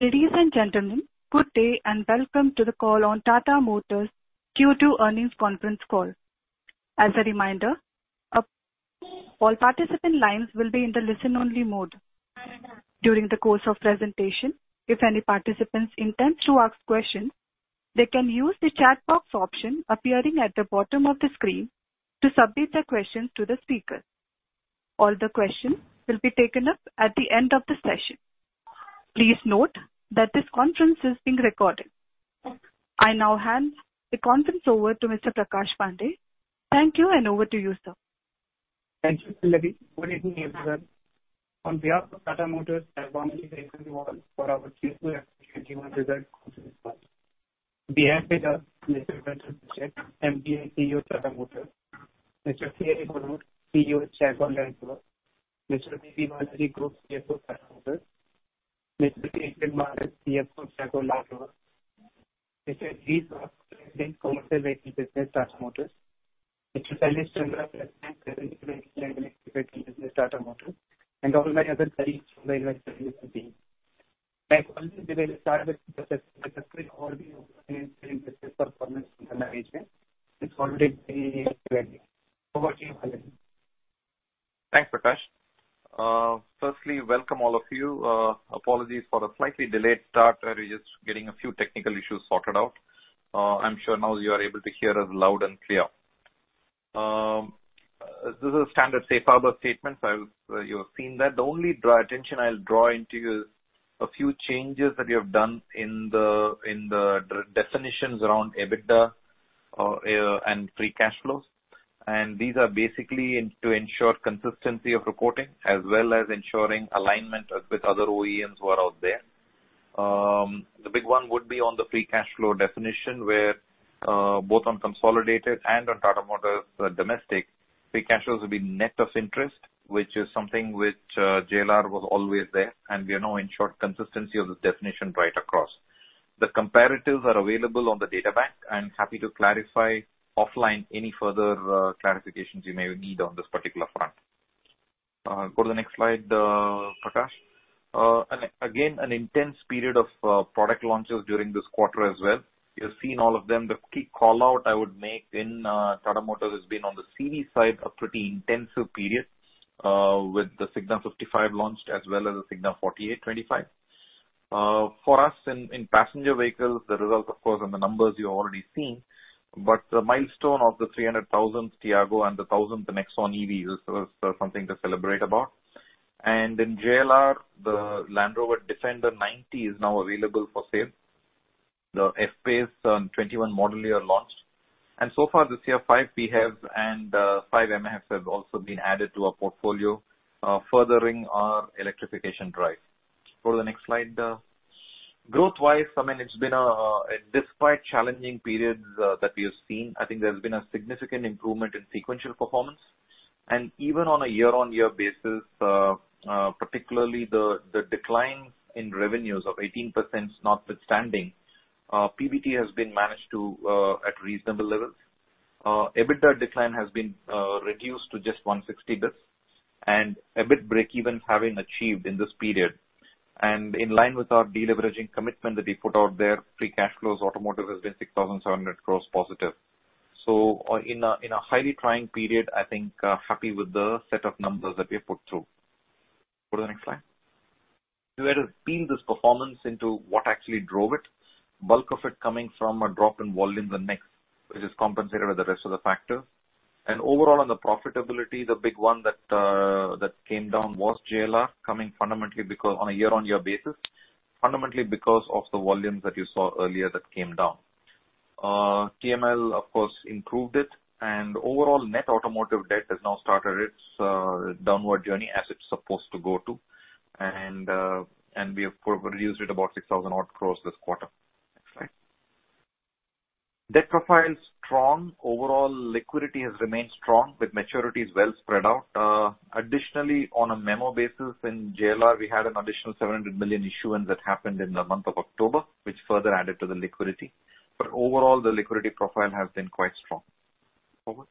Ladies and gentlemen, good day. Welcome to the call on Tata Motors Q2 earnings conference call. As a reminder, all participant lines will be in the listen-only mode. During the course of presentation, if any participants intend to ask questions, they can use the chat box option appearing at the bottom of the screen to submit their questions to the speakers. All the questions will be taken up at the end of the session. Please note that this conference is being recorded. I now hand the conference over to Mr. Prakash Pandey. Thank you. Over to you, sir. Thank you, Pallavi. Good evening, everyone. On behalf of Tata Motors, I welcome you to the earnings call for our Q2 FY 2021 results conference call. We have with us Mr. Guenter Butschek, MD and CEO, Tata Motors. Mr. Thierry Bolloré, CEO, Jaguar Land Rover. Mr. PB Balaji, Group CFO, Tata Motors. Mr. Adrian Mardell, CFO, Jaguar Land Rover. Mr. Girish Wagh, President, Commercial Vehicle Business, Tata Motors. Mr. Shailesh Chandra, President, Electric Mobility and Electrification Business, Tata Motors. All my other colleagues from the investment team. Like always, we will start with the business with a quick overview of Tata Motors' business performance and navigation. Over to you, Balaji. Thanks, Prakash. Firstly, welcome all of you. Apologies for the slightly delayed start. We were just getting a few technical issues sorted out. I am sure now you are able to hear us loud and clear. This is a standard safe harbor statement. You have seen that. The only attention I will draw into is a few changes that we have done in the definitions around EBITDA and free cash flows. These are basically to ensure consistency of reporting, as well as ensuring alignment with other OEMs who are out there. The big one would be on the free cash flow definition, where, both on consolidated and on Tata Motors domestic, free cash flows will be net of interest, which is something which JLR was always there, and we are now ensuring consistency of this definition right across. The comparatives are available on the data bank. I'm happy to clarify offline any further clarifications you may need on this particular front. Go to the next slide, Prakash. Again, an intense period of product launches during this quarter as well. You have seen all of them. The key call-out I would make in Tata Motors has been on the CV side, a pretty intensive period, with the Signa 55 launched as well as the Signa 4825.TK. For us in Passenger Vehicles, the results, of course, on the numbers you've already seen, but the milestone of the 300,000th Tata Tiago and the 1,000th Tata Nexon EV is something to celebrate about. In JLR, the Land Rover Defender 90 is now available for sale. The Jaguar F-PACE 21 model year launched. So far this year, five PHEVs and five MHEVs have also been added to our portfolio, furthering our electrification drive. Go to the next slide. Growth-wise, despite challenging periods that we have seen, I think there's been a significant improvement in sequential performance. Even on a year-on-year basis, particularly the decline in revenues of 18% notwithstanding, PBT has been managed at reasonable levels. EBITDA decline has been reduced to just 160 basis points, EBIT breakeven having achieved in this period. In line with our deleveraging commitment that we put out there, free cash flows automotive has been 6,700 crore positive. In a highly trying period, I think, happy with the set of numbers that we have put through. Go to the next slide. If you were to peel this performance into what actually drove it, bulk of it coming from a drop in volume, the next, which is compensated with the rest of the factors. Overall, on the profitability, the big one that came down was JLR, coming fundamentally on a year-on-year basis, fundamentally because of the volumes that you saw earlier that came down. TML, of course, improved it, and overall net automotive debt has now started its downward journey as it's supposed to go to. We have reduced it about 6,000 odd crores this quarter. Next slide. Debt profile is strong. Overall liquidity has remained strong with maturities well spread out. On a memo basis in JLR, we had an additional 700 million issuance that happened in the month of October, which further added to the liquidity. Overall, the liquidity profile has been quite strong. Forward.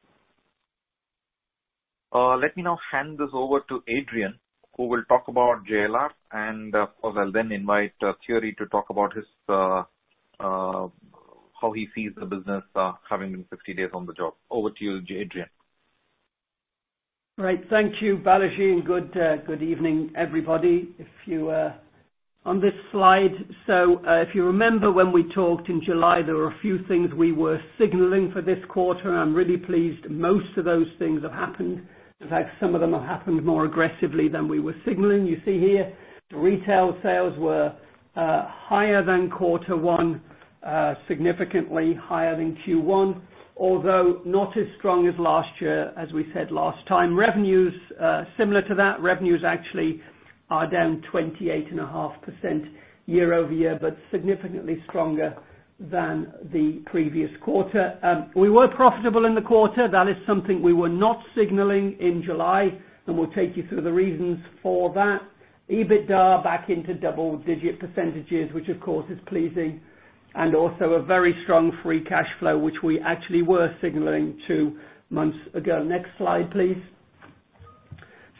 Let me now hand this over to Adrian, who will talk about JLR, and I will then invite Thierry to talk about how he sees the business having been 60 days on the job. Over to you, Adrian. Right. Thank you, Balaji, and good evening, everybody. On this slide, if you remember when we talked in July, there were a few things we were signaling for this quarter. I'm really pleased most of those things have happened. In fact, some of them have happened more aggressively than we were signaling. You see here, retail sales were higher than quarter one, significantly higher than Q1, although not as strong as last year, as we said last time. Revenues similar to that. Revenues actually are down 28.5% year-over-year, but significantly stronger than the previous quarter. We were profitable in the quarter. That is something we were not signaling in July, we'll take you through the reasons for that. EBITDA back into double-digit percentages, which of course is pleasing, and also a very strong free cash flow, which we actually were signaling two months ago. Next slide, please.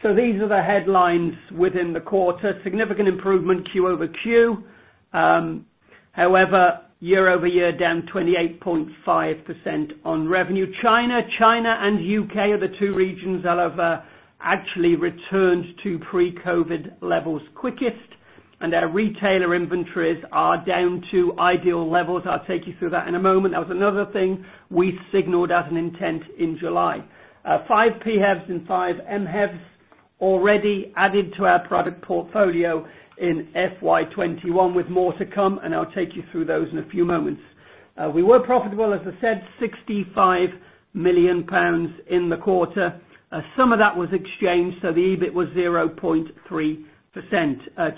These are the headlines within the quarter. Significant improvement Q-over-Q. However, year-over-year down 28.5% on revenue. China and U.K. are the two regions that have actually returned to pre-COVID levels quickest, and our retailer inventories are down to ideal levels. I'll take you through that in a moment. That was another thing we signaled as an intent in July. Five PHEVs and five MHEVs already added to our product portfolio in FY 2021, with more to come, and I'll take you through those in a few moments. We were profitable, as I said, 65 million pounds in the quarter. Some of that was exchanged, so the EBIT was 0.3%.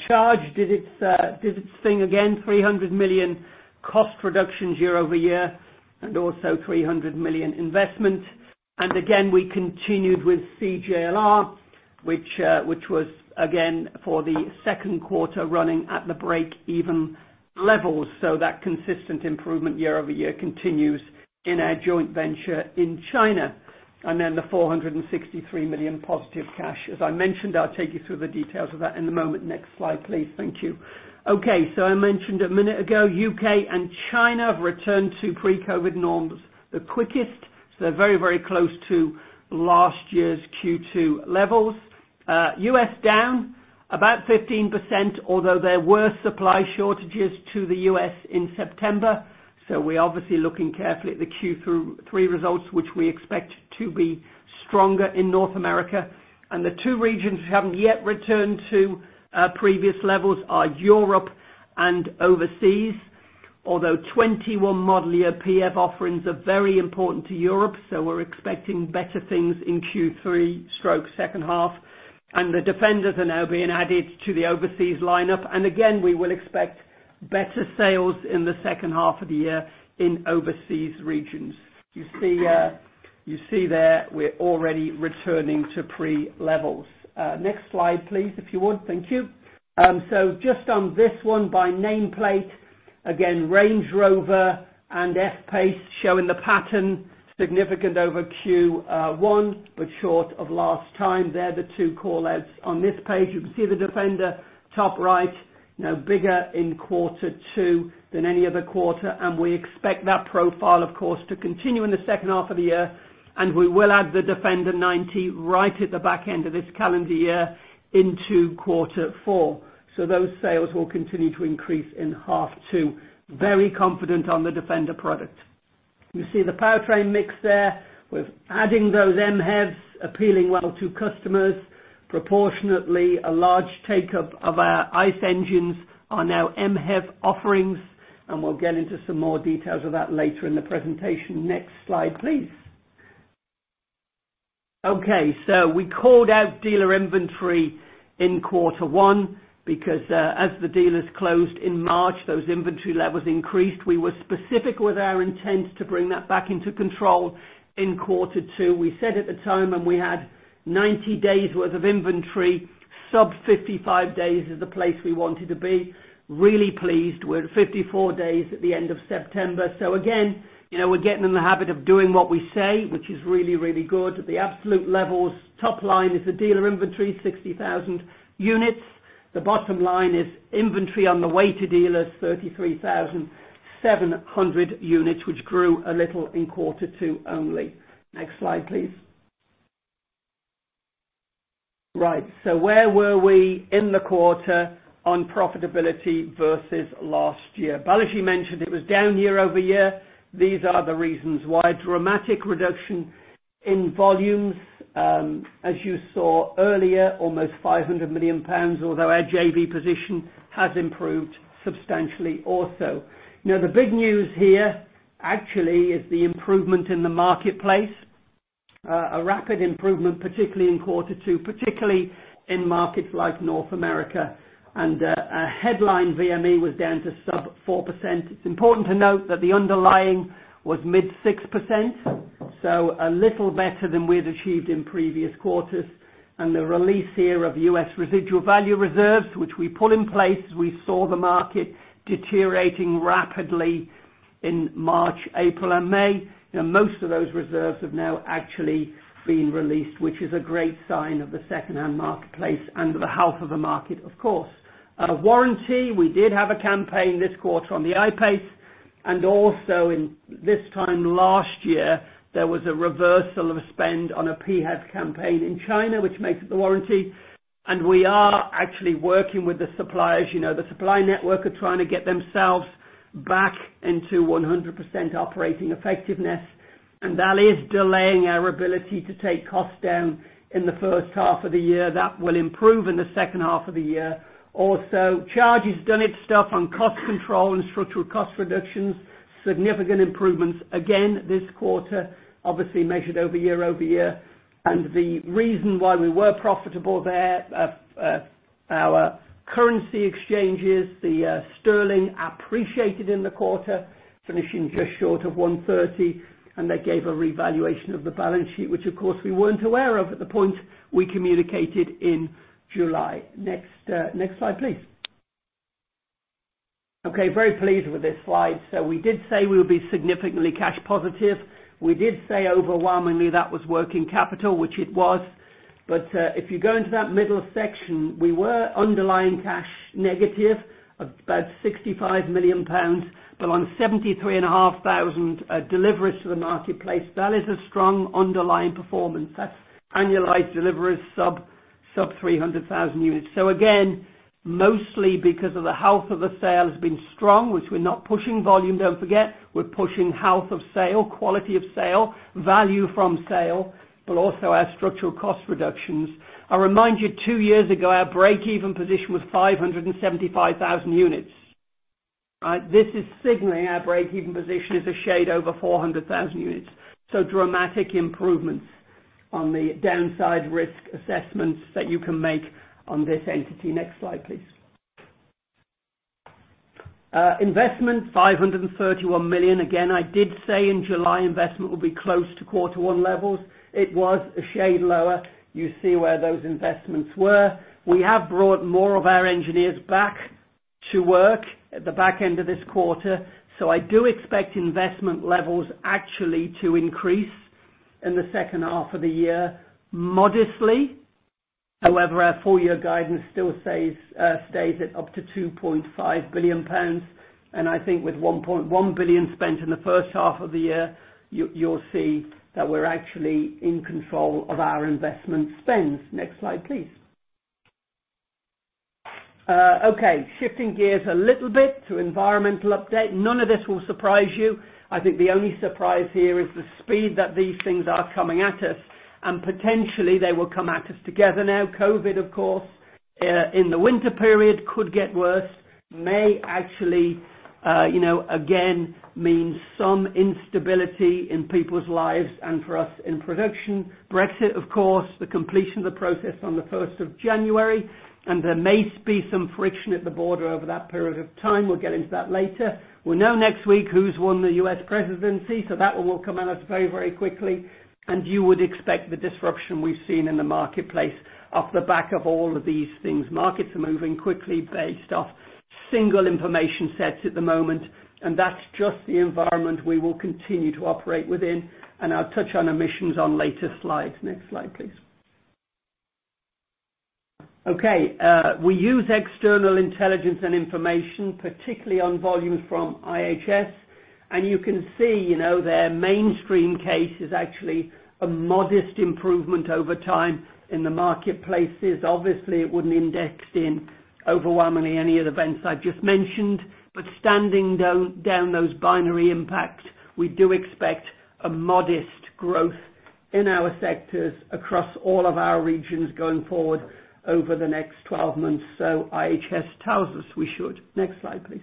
Charge did its thing again, 300 million cost reductions year-over-year, and also 300 million investment. Again, we continued with CJLR, which was again for the second quarter running at the break-even levels. That consistent improvement year-over-year continues in our joint venture in China. The 463 million positive cash. As I mentioned, I'll take you through the details of that in a moment. Next slide, please. Thank you. I mentioned a minute ago, U.K. and China have returned to pre-COVID norms the quickest. Very close to last year's Q2 levels. U.S. down about 15%, although there were supply shortages to the U.S. in September. We're obviously looking carefully at the Q3 results, which we expect to be stronger in North America. The two regions we haven't yet returned to previous levels are Europe and overseas. Although 21 model year PHEV offerings are very important to Europe, we're expecting better things in Q3, stroke second half. The Defenders are now being added to the overseas lineup. Again, we will expect better sales in the second half of the year in overseas regions. You see there, we're already returning to pre-levels. Next slide, please, if you would. Thank you. Just on this one by nameplate, again, Range Rover and Jaguar F-PACE showing the pattern, significant over Q1, but short of last time. They're the two callouts on this page. You can see the Defender 90, top right, bigger in quarter two than any other quarter. We expect that profile, of course, to continue in the second half of the year. We will add the Defender 90 right at the back end of this calendar year into quarter four. Those sales will continue to increase in half two. Very confident on the Defender product. You see the powertrain mix there. We're adding those MHEVs, appealing well to customers. Proportionately, a large take-up of our ICE engines are now MHEV offerings, we'll get into some more details of that later in the presentation. Next slide, please. We called out dealer inventory in quarter one because, as the dealers closed in March, those inventory levels increased. We were specific with our intent to bring that back into control in quarter two. We said at the time, we had 90 days worth of inventory, sub 55 days is the place we wanted to be. Really pleased we're at 54 days at the end of September. Again, we're getting in the habit of doing what we say, which is really good. At the absolute levels, top line is the dealer inventory, 60,000 units. The bottom line is inventory on the way to dealers, 33,700 units, which grew a little in quarter two only. Next slide, please. Where were we in the quarter on profitability versus last year? Balaji mentioned it was down year-over-year. These are the reasons why. Dramatic reduction in volumes. As you saw earlier, almost 500 million pounds, although our JV position has improved substantially also. The big news here actually is the improvement in the marketplace. A rapid improvement, particularly in quarter two, particularly in markets like North America. Our headline VME was down to sub 4%. It's important to note that the underlying was mid 6%, so a little better than we'd achieved in previous quarters. The release here of U.S. residual value reserves, which we put in place as we saw the market deteriorating rapidly in March, April, and May. Most of those reserves have now actually been released, which is a great sign of the secondhand marketplace and the health of the market, of course. Warranty, we did have a campaign this quarter on the Jaguar I-PACE, and also in this time last year, there was a reversal of a spend on a PHEV campaign in China, which makes up the warranty. We are actually working with the suppliers. The supply network are trying to get themselves back into 100% operating effectiveness, and that is delaying our ability to take costs down in the first half of the year. That will improve in the second half of the year. Also, Charge has done its stuff on cost control and structural cost reductions. Significant improvements again this quarter, obviously measured over year-over-year. The reason why we were profitable there, our currency exchanges, the sterling appreciated in the quarter, finishing just short of 130, and that gave a revaluation of the balance sheet, which of course we weren't aware of at the point we communicated in July. Next slide, please. Okay, very pleased with this slide. We did say we would be significantly cash positive. We did say overwhelmingly that was working capital, which it was. If you go into that middle section, we were underlying cash negative of about 65 million pounds. On 73,500 deliveries to the marketplace, that is a strong underlying performance. That's annualized deliveries sub 300,000 units. Again, mostly because of the health of the sale has been strong, which we're not pushing volume, don't forget. We're pushing health of sale, quality of sale, value from sale, but also our structural cost reductions. I remind you, two years ago, our breakeven position was 575,000 units. This is signaling our breakeven position is a shade over 400,000 units. Dramatic improvements on the downside risk assessments that you can make on this entity. Next slide, please. Investment 531 million. Again, I did say in July investment will be close to quarter one levels. It was a shade lower. You see where those investments were. We have brought more of our engineers back to work at the back end of this quarter. I do expect investment levels actually to increase in the second half of the year modestly. However, our full year guidance still stays at up to 2.5 billion pounds. I think with 1.1 billion spent in the first half of the year, you'll see that we're actually in control of our investment spends. Next slide, please. Okay, shifting gears a little bit to environmental update. None of this will surprise you. I think the only surprise here is the speed that these things are coming at us, and potentially they will come at us together now. COVID, of course, in the winter period could get worse, may actually again mean some instability in people's lives and for us in production. Brexit, of course, the completion of the process on the 1st of January. There may be some friction at the border over that period of time. We'll get into that later. We'll know next week who's won the U.S. presidency. That one will come at us very quickly. You would expect the disruption we've seen in the marketplace off the back of all of these things. Markets are moving quickly based off single information sets at the moment, and that's just the environment we will continue to operate within. I'll touch on emissions on later slides. Next slide, please. We use external intelligence and information, particularly on volume from IHS. You can see their mainstream case is actually a modest improvement over time in the marketplaces. Obviously, it wouldn't index in overwhelmingly any of the events I've just mentioned. Standing down those binary impacts, we do expect a modest growth in our sectors across all of our regions going forward over the next 12 months. IHS tells us we should. Next slide, please.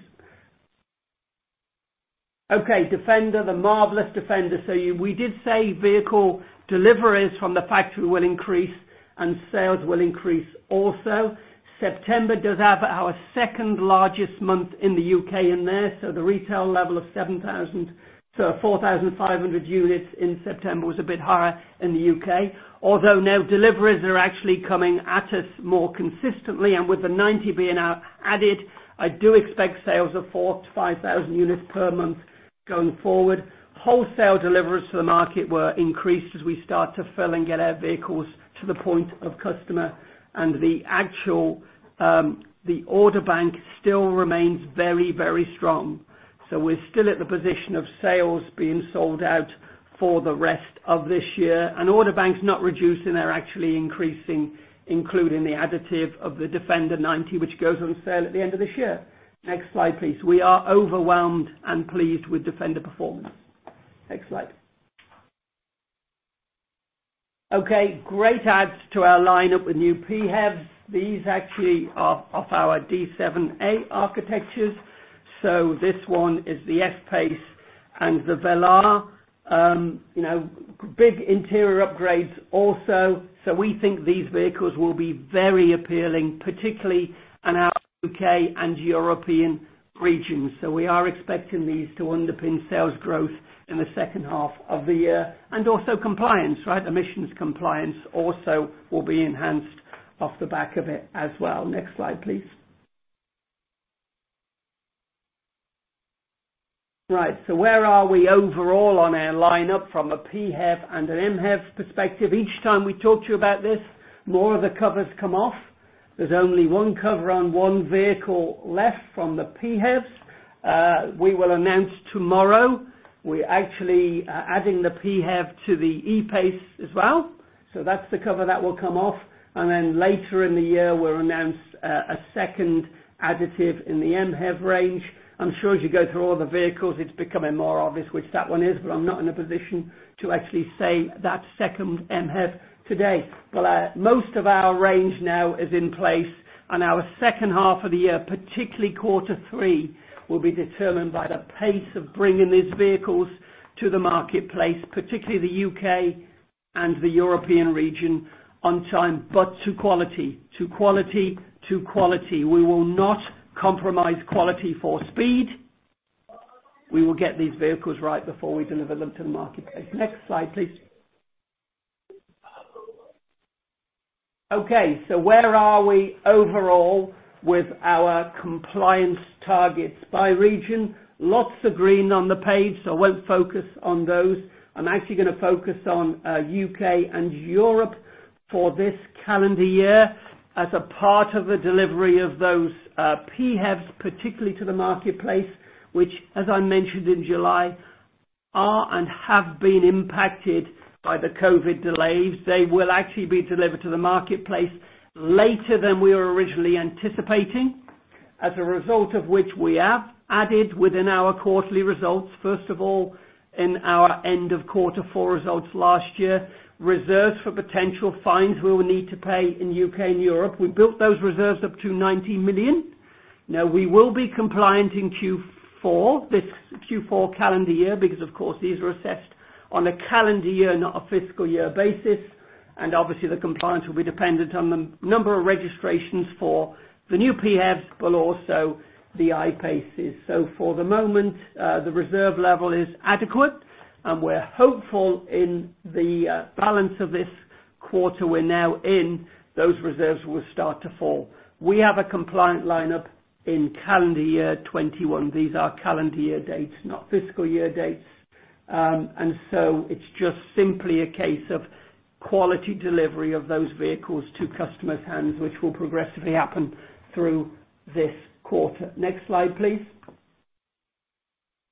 Defender, the marvelous Defender. We did say vehicle deliveries from the factory will increase and sales will increase also. September does have our second largest month in the U.K. in there. The retail level of 3,000-4,500 units in September was a bit higher in the U.K. Although now deliveries are actually coming at us more consistently. With the Defender 90 being added, I do expect sales of 4,000-5,000 units per month going forward. Wholesale deliveries to the market were increased as we start to fill and get our vehicles to the point of customer. The actual order bank still remains very strong. We're still at the position of sales being sold out for the rest of this year. Order banks not reducing. They're actually increasing, including the additive of the Defender 90, which goes on sale at the end of this year. Next slide, please. We are overwhelmed and pleased with Defender performance. Next slide. Great adds to our lineup with new PHEVs. These actually are off our D7a architectures. This one is the Jaguar F-PACE and the Range Rover Velar. Big interior upgrades also. We think these vehicles will be very appealing, particularly in our U.K. and European regions. We are expecting these to underpin sales growth in the second half of the year. Also compliance. The emissions compliance also will be enhanced off the back of it as well. Next slide, please. Where are we overall on our lineup from a PHEV and an MHEV perspective? Each time we talk to you about this, more of the covers come off. There's only one cover on one vehicle left from the PHEVs. We will announce tomorrow. We actually are adding the PHEV to the Jaguar E-PACE as well. That's the cover that will come off. Later in the year, we'll announce a second additive in the MHEV range. I'm sure as you go through all the vehicles, it's becoming more obvious which that one is, but I'm not in a position to actually say that second MHEV today. Most of our range now is in place, and our second half of the year, particularly quarter three, will be determined by the pace of bringing these vehicles to the marketplace, particularly the U.K. and the European region on time. To quality. We will not compromise quality for speed. We will get these vehicles right before we deliver them to the marketplace. Next slide, please. Okay. Where are we overall with our compliance targets by region? Lots of green on the page, so I won't focus on those. I'm actually going to focus on U.K. and Europe for this calendar year as a part of a delivery of those PHEVs, particularly to the marketplace, which, as I mentioned in July, are and have been impacted by the COVID delays. They will actually be delivered to the marketplace later than we were originally anticipating, as a result of which we have added within our quarterly results, first of all, in our end of quarter four results last year, reserves for potential fines we will need to pay in U.K. and Europe. We built those reserves up to 90 million. Now, we will be compliant in Q4, this Q4 calendar year, because of course, these are assessed on a calendar year, not a fiscal year basis. Obviously the compliance will be dependent on the number of registrations for the new PHEVs, but also the Jaguar I-PACEs. For the moment, the reserve level is adequate, and we're hopeful in the balance of this quarter we're now in, those reserves will start to fall. We have a compliant lineup in calendar year 2021. These are calendar year dates, not fiscal year dates. It's just simply a case of quality delivery of those vehicles to customers' hands, which will progressively happen through this quarter. Next slide, please.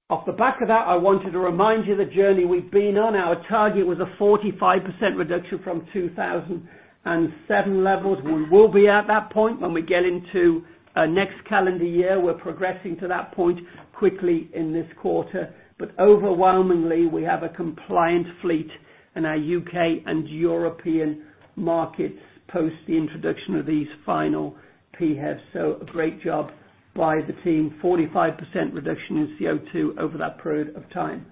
Off the back of that, I wanted to remind you the journey we've been on. Our target was a 45% reduction from 2007 levels. We will be at that point when we get into next calendar year. We're progressing to that point quickly in this quarter. Overwhelmingly, we have a compliant fleet in our U.K. and European markets, post the introduction of these final PHEVs. A great job by the team, 45% reduction in CO2 over that period of time.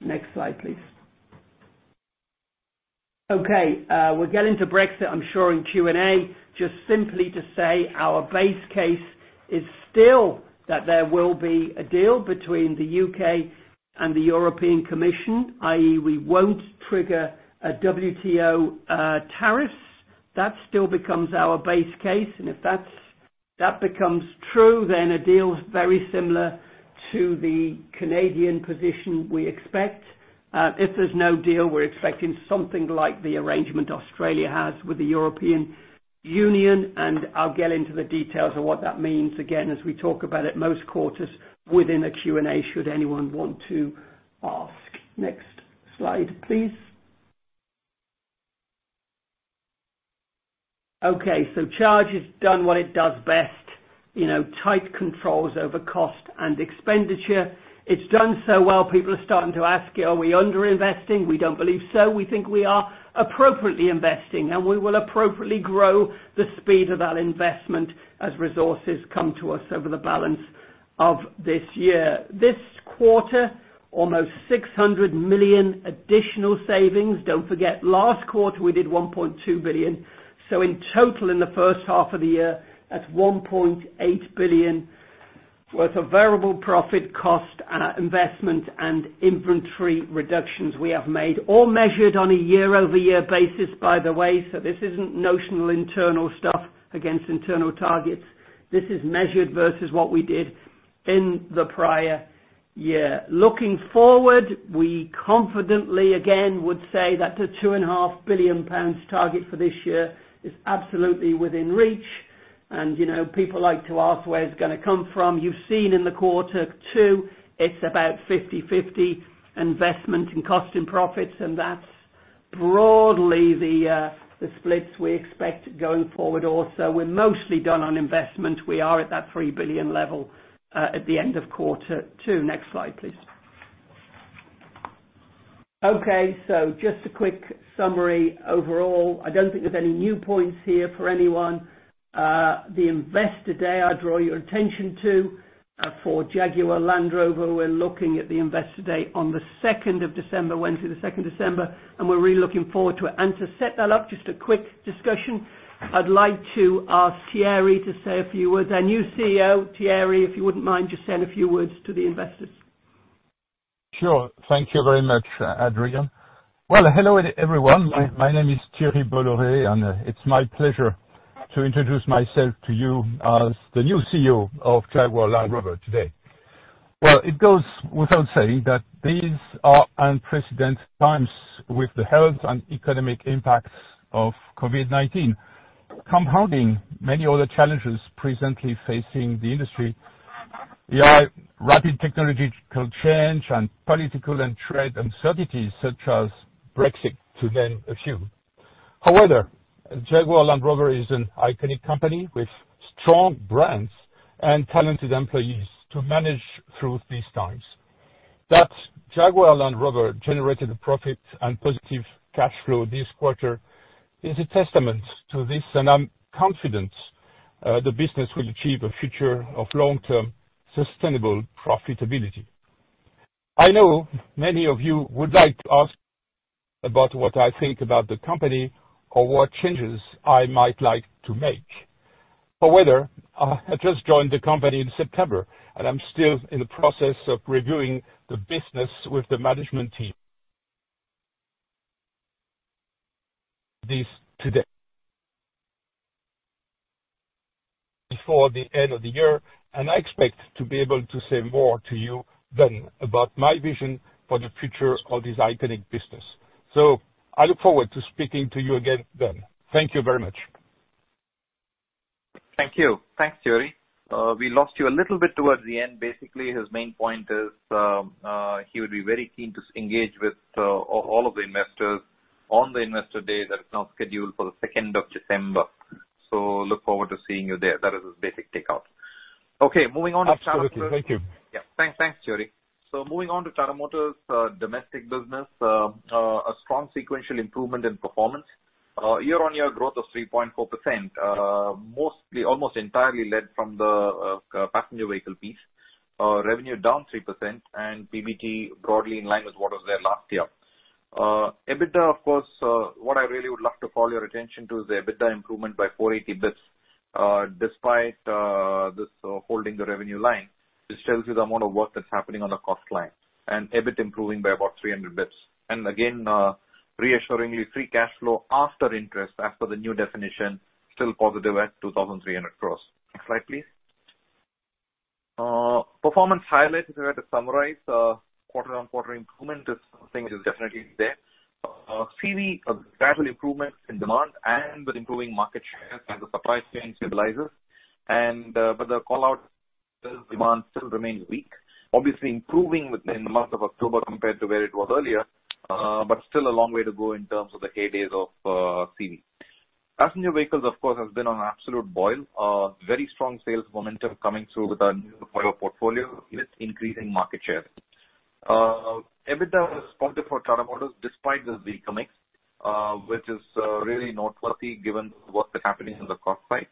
Next slide, please. We're getting to Brexit, I'm sure in Q&A. Just simply to say our base case is still that there will be a deal between the U.K. and the European Commission, i.e., we won't trigger a WTO tariffs. That still becomes our base case, and if that becomes true, then a deal is very similar to the Canadian position we expect. If there's no deal, we're expecting something like the arrangement Australia has with the European Union, and I'll get into the details of what that means again, as we talk about it most quarters within a Q&A, should anyone want to ask. Next slide, please. Charge has done what it does best. Tight controls over cost and expenditure. It's done so well, people are starting to ask, are we under-investing? We don't believe so. We think we are appropriately investing. We will appropriately grow the speed of that investment as resources come to us over the balance of this year. This quarter, almost 600 million additional savings. Don't forget, last quarter we did 1.2 billion. In total, in the first half of the year, that's 1.8 billion worth of variable profit cost, investment and inventory reductions we have made. All measured on a year-over-year basis, by the way. This isn't notional internal stuff against internal targets. This is measured versus what we did in the prior year. Looking forward, we confidently, again, would say that the 2.5 billion pounds target for this year is absolutely within reach. People like to ask where it's going to come from. You've seen in the quarter two, it's about 50/50 investment in cost and profits, and that's broadly the splits we expect going forward also. We're mostly done on investment. We are at that 3 billion level at the end of quarter two. Next slide, please. Just a quick summary overall. I don't think there's any new points here for anyone. The Investor Day, I draw your attention to for Jaguar Land Rover, we're looking at the Investor day on the 2nd of December, Wednesday the 2nd December, and we're really looking forward to it. To set that up, just a quick discussion, I'd like to ask Thierry to say a few words. Our new CEO, Thierry, if you wouldn't mind just saying a few words to the investors. Sure. Thank you very much, Adrian. Hello everyone. My name is Thierry Bolloré. It's my pleasure to introduce myself to you as the new CEO of Jaguar Land Rover today. It goes without saying that these are unprecedented times with the health and economic impacts of COVID-19 compounding many other challenges presently facing the industry. There are rapid technological change and political and trade uncertainties such as Brexit, to name a few. Jaguar Land Rover is an iconic company with strong brands and talented employees to manage through these times. That Jaguar Land Rover generated a profit and positive cash flow this quarter is a testament to this. I'm confident the business will achieve a future of long-term sustainable profitability. I know many of you would like to ask about what I think about the company or what changes I might like to make. I just joined the company in September, and I'm still in the process of reviewing the business with the management team. Before the end of the year, I expect to be able to say more to you then about my vision for the future of this iconic business. I look forward to speaking to you again then. Thank you very much. Thank you. Thanks, Thierry. We lost you a little bit towards the end. Basically, his main point is, he would be very keen to engage with all of the investors on the Investor Day that is now scheduled for the 2nd of December. Look forward to seeing you there. That is his basic takeout. Okay. Moving on to Tata Motors. Absolutely. Thank you. Thanks, Thierry. Moving on to Tata Motors' domestic business, a strong sequential improvement in performance. Year-on-year growth of 3.4%, almost entirely led from the passenger vehicle piece. Revenue down 3% and PBT broadly in line with what was there last year. EBITDA, of course, what I really would love to call your attention to is the EBITDA improvement by 480 basis points, despite this holding the revenue line. This tells you the amount of work that's happening on the cost line and EBIT improving by about 300 basis points. Again, reassuringly, free cash flow after interest, after the new definition, still positive at 2,300 crore. Next slide, please. Performance highlights, if I had to summarize, quarter-on-quarter improvement is something which is definitely there. CV, gradual improvements in demand and with improving market share as the supply chain stabilizes. The call-out is demand still remains weak. Obviously improving within the month of October compared to where it was earlier, but still a long way to go in terms of the heydays of CV. Passenger vehicles, of course, has been on absolute boil. Very strong sales momentum coming through with our new portfolio, with increasing market share. EBITDA was positive for Tata Motors despite this weak mix, which is really noteworthy given what is happening on the cost side.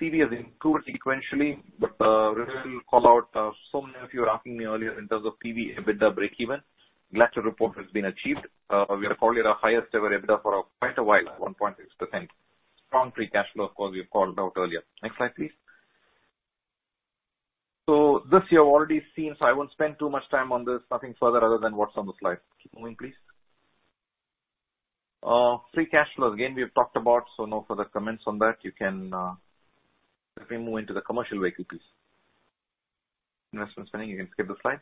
CV has improved sequentially, but the revenue call-out, so many of you were asking me earlier in terms of PV EBITDA breakeven. Glad to report it has been achieved. We have probably had our highest-ever EBITDA for quite a while, 1.6%. Strong free cash flow, of course, we have called out earlier. Next slide, please. This you have already seen, so I won't spend too much time on this. Nothing further other than what's on the slide. Keep moving, please. Free cash flow, again, we have talked about, no further comments on that. You can definitely move into the commercial vehicle, please. Investment spending, you can skip this slide.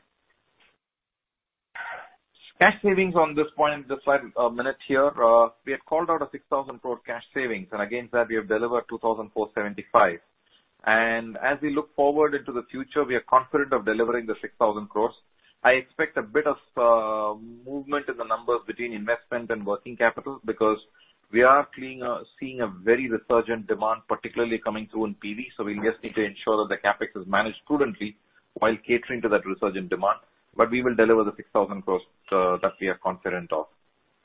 Cash savings on this point, this slide, a minute here. We had called out an 6,000 crore cash savings, against that, we have delivered 2,475. As we look forward into the future, we are confident of delivering the 6,000 crores. I expect a bit of movement in the numbers between investment and working capital because we are seeing a very resurgent demand, particularly coming through in PV. We just need to ensure that the CapEx is managed prudently while catering to that resurgent demand. We will deliver the 6,000 crores that we are confident of.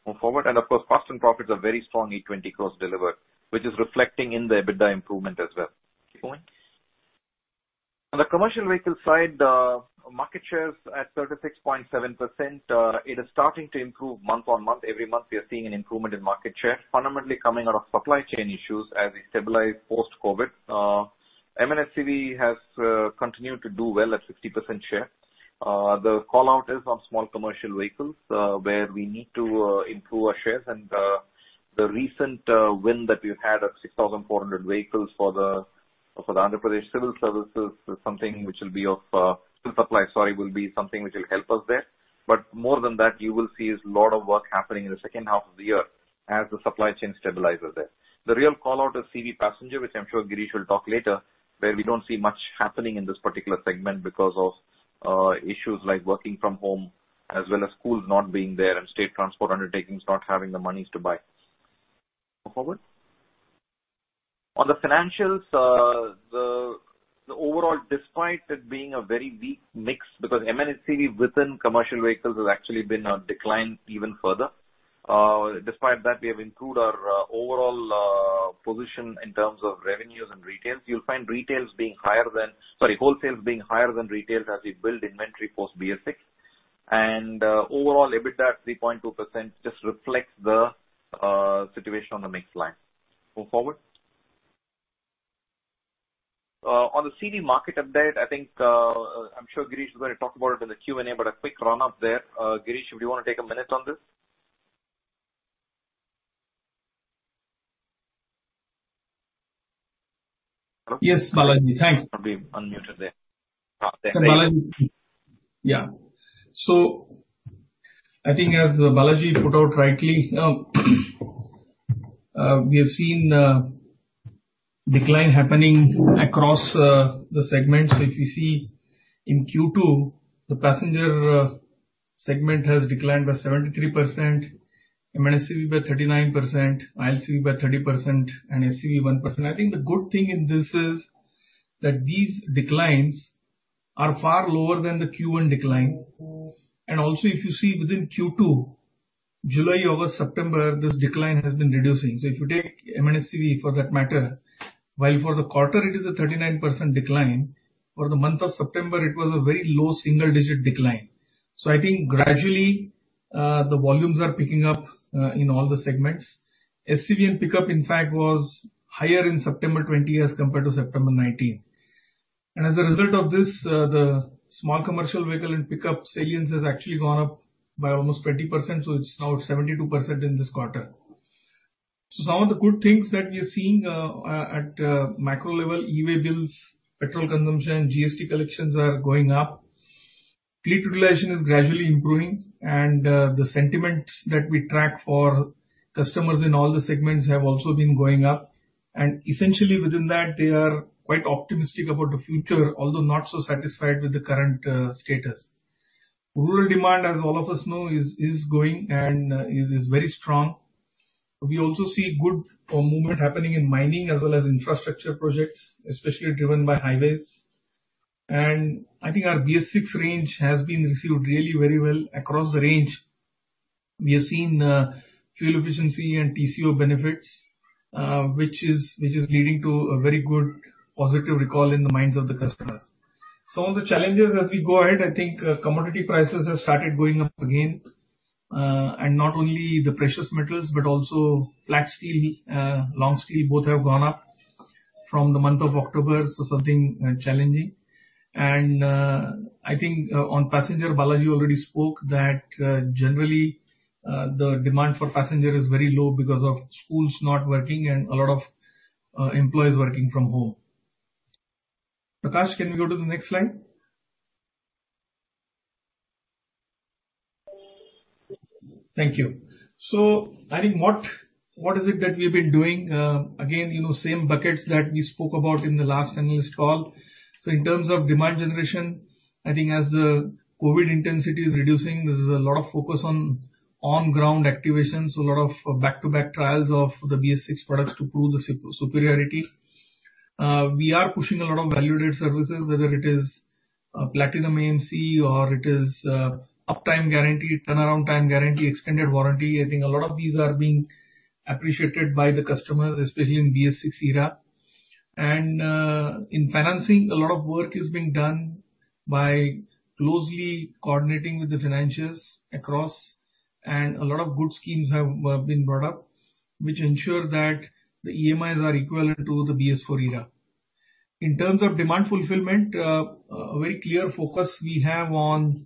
Move forward. Of course, costs and profits are very strong, (20 crores) delivered, which is reflecting in the EBITDA improvement as well. Keep going. On the commercial vehicle side, market share is at 36.7%. It is starting to improve month-on-month. Every month, we are seeing an improvement in market share, fundamentally coming out of supply chain issues as we stabilize post-COVID. M&HCV has continued to do well at 50% share. The call-out is on small commercial vehicles, where we need to improve our shares. The recent win that we've had of 6,400 vehicles for the Andhra Pradesh Civil Supplies is something which will help us there. More than that, you will see is a lot of work happening in the second half of the year as the supply chain stabilizes there. The real call-out is CV passenger, which I'm sure Girish will talk later, where we don't see much happening in this particular segment because of issues like working from home as well as schools not being there and state transport undertakings not having the monies to buy. Move forward. On the financials, the overall, despite it being a very weak mix, because M&HCV within Commercial Vehicles has actually been declined even further. Despite that, we have improved our overall position in terms of revenues and retails. You'll find retails being higher than Sorry, wholesales being higher than retails as we build inventory post-BS6. Overall, EBITDA at 3.2% just reflects the situation on the mix line. Move forward. On the CV market update, I think, I'm sure Girish is going to talk about it in the Q&A, a quick run-up there. Girish, would you want to take a minute on this? Yes, Balaji, thanks. You're probably unmuted there. I think as Balaji put out rightly, we have seen a decline happening across the segments, which we see in Q2, the passenger segment has declined by 73%, M&HCV by 39%, ILCV by 30%, and SCV, 1%. I think the good thing in this is that these declines are far lower than the Q1 decline. Also, if you see within Q2, July, August, September, this decline has been reducing. If you take M&HCV for that matter, while for the quarter it is a 39% decline, for the month of September, it was a very low single-digit decline. I think gradually, the volumes are picking up in all the segments. SCV and pickup, in fact, was higher in September 2020 as compared to September 2019. As a result of this, the small commercial vehicle and pickup salience has actually gone up by almost 20%, so it's now at 72% in this quarter. Some of the good things that we are seeing at micro level, e-way bills, petrol consumption, and GST collections are going up. Fleet utilization is gradually improving, and the sentiments that we track for customers in all the segments have also been going up. Essentially within that, they are quite optimistic about the future, although not so satisfied with the current status. Rural demand, as all of us know, is growing and is very strong. We also see good movement happening in mining as well as infrastructure projects, especially driven by highways. I think our BS6 range has been received really very well. Across the range, we have seen fuel efficiency and TCO benefits, which is leading to a very good positive recall in the minds of the customers. Some of the challenges as we go ahead, I think commodity prices have started going up again. Not only the precious metals, but also flat steel, long steel, both have gone up from the month of October, so something challenging. I think on passenger, Balaji already spoke that generally, the demand for passenger is very low because of schools not working and a lot of employees working from home. Prakash, can we go to the next slide? Thank you. I think what is it that we've been doing? Again, same buckets that we spoke about in the last analyst call. In terms of demand generation, I think as the COVID intensity is reducing, there's a lot of focus on ground activation, so a lot of back-to-back trials of the BS6 products to prove the superiority. We are pushing a lot of value-added services, whether it is Platinum AMC or it is uptime guarantee, turnaround time guarantee, extended warranty. I think a lot of these are being appreciated by the customers, especially in BS6 era. In financing, a lot of work is being done by closely coordinating with the financials across, and a lot of good schemes have been brought up, which ensure that the EMIs are equivalent to the BS4 era. In terms of demand fulfillment, a very clear focus we have on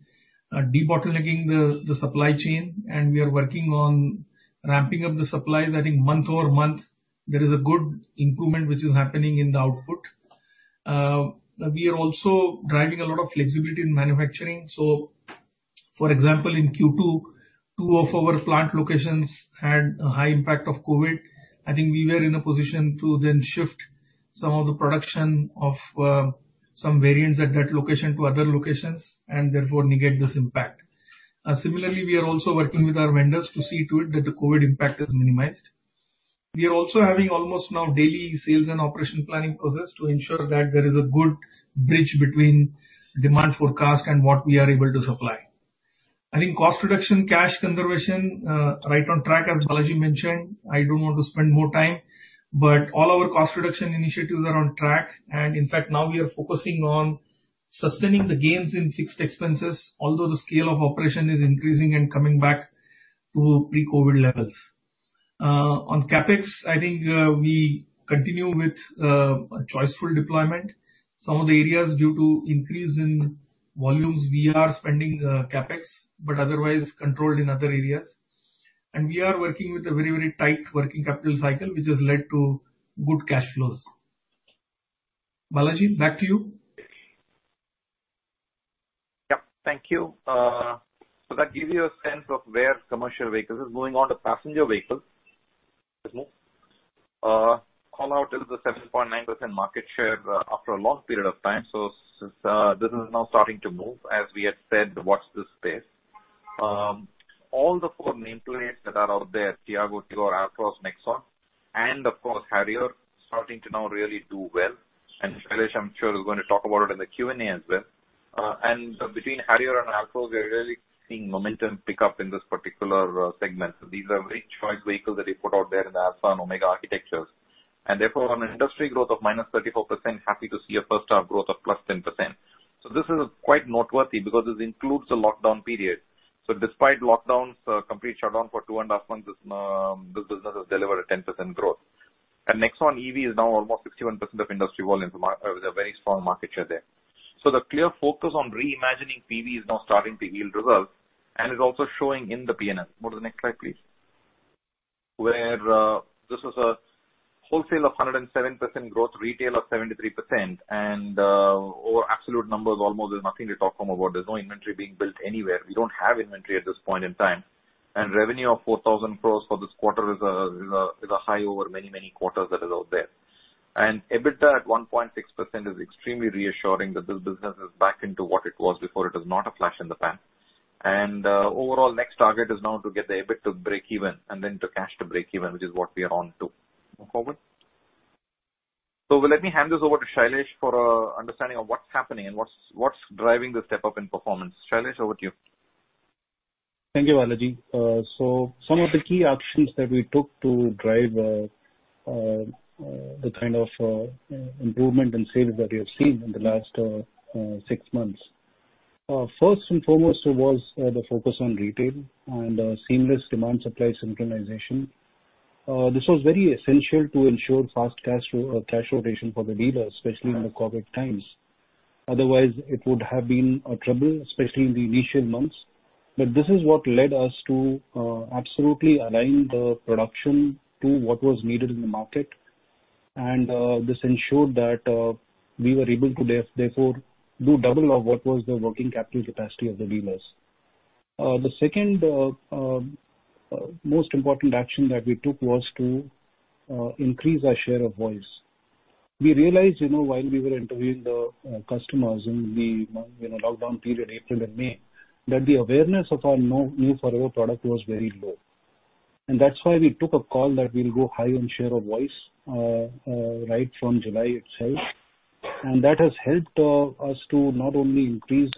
de-bottlenecking the supply chain, and we are working on ramping up the supplies. I think month-over-month, there is a good improvement which is happening in the output. We are also driving a lot of flexibility in manufacturing. For example, in Q2, two of our plant locations had a high impact of COVID. I think we were in a position to then shift some of the production of some variants at that location to other locations, and therefore negate this impact. Similarly, we are also working with our vendors to see to it that the COVID impact is minimized. We are also having almost now daily sales and operation planning process to ensure that there is a good bridge between demand forecast and what we are able to supply. I think cost reduction, cash conservation, right on track, as Balaji mentioned. I don't want to spend more time, but all our cost reduction initiatives are on track. In fact, now we are focusing on sustaining the gains in fixed expenses, although the scale of operation is increasing and coming back to pre-COVID levels. On CapEx, I think we continue with a choiceful deployment. Some of the areas due to increase in volumes, we are spending CapEx, but otherwise it's controlled in other areas. We are working with a very tight working capital cycle, which has led to good cash flows. Balaji, back to you. Yeah, thank you. That gives you a sense of where commercial vehicles is. Moving on to passenger vehicles. Next move. Call out is the 7.9% market share after a long period of time. This is now starting to move, as we had said, watch this space. All the four main players that are out there, Tata Tiago, Tata Tigor, Tata Altroz, Tata Nexon, and of course, Tata Harrier, starting to now really do well. Shailesh, I'm sure, is going to talk about it in the Q&A as well. Between Tata Harrier and Tata Altroz, we are really seeing momentum pick up in this particular segment. These are very choice vehicles that we put out there in the ALFA and OMEGA architectures. Therefore, on an industry growth of -34%, happy to see a first half growth of +10%. This is quite noteworthy because this includes the lockdown period. Despite lockdowns, complete shutdown for two and a half months, this business has delivered a 10% growth. Nexon EV is now almost 61% of industry volume. There's a very strong market share there. The clear focus on re-imagining PV is now starting to yield results, and it's also showing in the P&L. Move to the next slide, please. This was a wholesale of 107% growth, retail of 73%, and our absolute numbers almost there's nothing to talk home about. There's no inventory being built anywhere. We don't have inventory at this point in time. Revenue of 4,000 crores for this quarter is a high over many quarters that is out there. EBITDA at 1.6% is extremely reassuring that this business is back into what it was before. It is not a flash in the pan. Overall, next target is now to get the EBITDA to break even and then the cash to break even, which is what we are on to. Move forward. Let me hand this over to Shailesh for understanding of what's happening and what's driving the step-up in performance. Shailesh, over to you. Thank you, Balaji. Some of the key actions that we took to drive the kind of improvement in sales that we have seen in the last six months. First and foremost was the focus on retail and seamless demand supply synchronization. This was very essential to ensure fast cash operation for the dealers, especially in the COVID times. Otherwise, it would have been trouble, especially in the initial months. This is what led us to absolutely align the production to what was needed in the market. This ensured that we were able to therefore do double of what was the working capital capacity of the dealers. The second most important action that we took was to increase our share of voice. We realized while we were interviewing the customers in the lockdown period, April and May, that the awareness of our new Forever product was very low. That's why we took a call that we'll go high on share of voice right from July itself. That has helped us to not only increase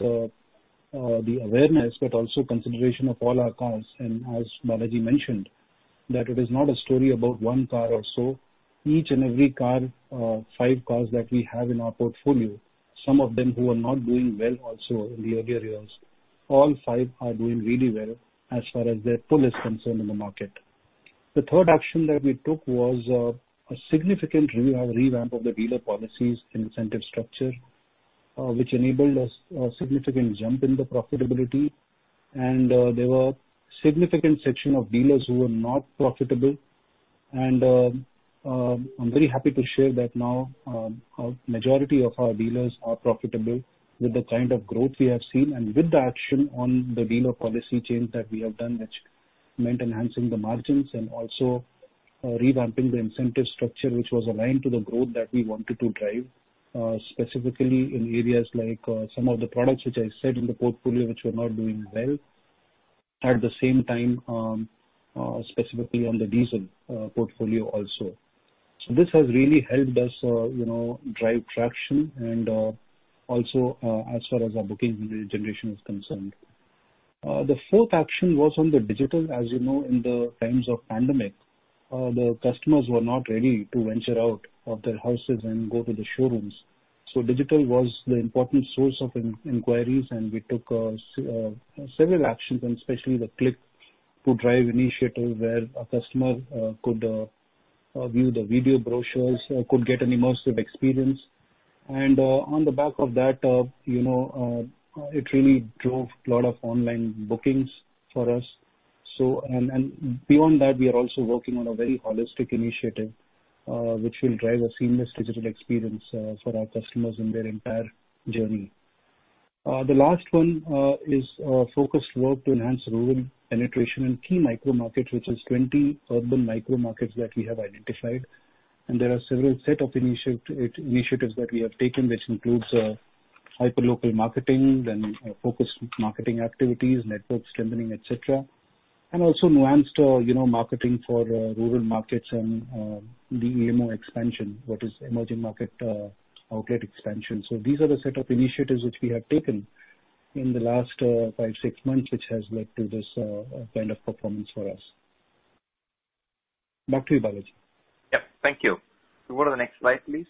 the awareness, but also consideration of all our cars. As Balaji mentioned, that it is not a story about one car or so, each and every car, five cars that we have in our portfolio, some of them who are not doing well also in the earlier years, all five are doing really well as far as their pull is concerned in the market. The third action that we took was a significant revamp of the dealer policies and incentive structure, which enabled a significant jump in the profitability. There were significant section of dealers who were not profitable. I'm very happy to share that now majority of our dealers are profitable with the kind of growth we have seen and with the action on the dealer policy change that we have done, which meant enhancing the margins and also revamping the incentive structure, which was aligned to the growth that we wanted to drive, specifically in areas like some of the products which I said in the portfolio, which were not doing well. At the same time, specifically on the diesel portfolio also. This has really helped us drive traction and also as far as our booking generation is concerned. The fourth action was on the digital. As you know, in the times of pandemic, the customers were not ready to venture out of their houses and go to the showrooms. Digital was the important source of inquiries. We took several actions, and especially the Click-to-Drive initiative where a customer could view the video brochures, could get an immersive experience. On the back of that, it really drove a lot of online bookings for us. Beyond that, we are also working on a very holistic initiative, which will drive a seamless digital experience for our customers in their entire journey. The last one is focused work to enhance rural penetration in key micro markets, which is 20 urban micro markets that we have identified. There are several set of initiatives that we have taken, which includes hyperlocal marketing, then focused marketing activities, network strengthening, et cetera, and also nuanced marketing for rural markets and the EMO expansion, what is emerging market outlet expansion. These are the set of initiatives which we have taken in the last five, six months, which has led to this kind of performance for us. Back to you, Balaji. Yep, thank you. Go to the next slide, please.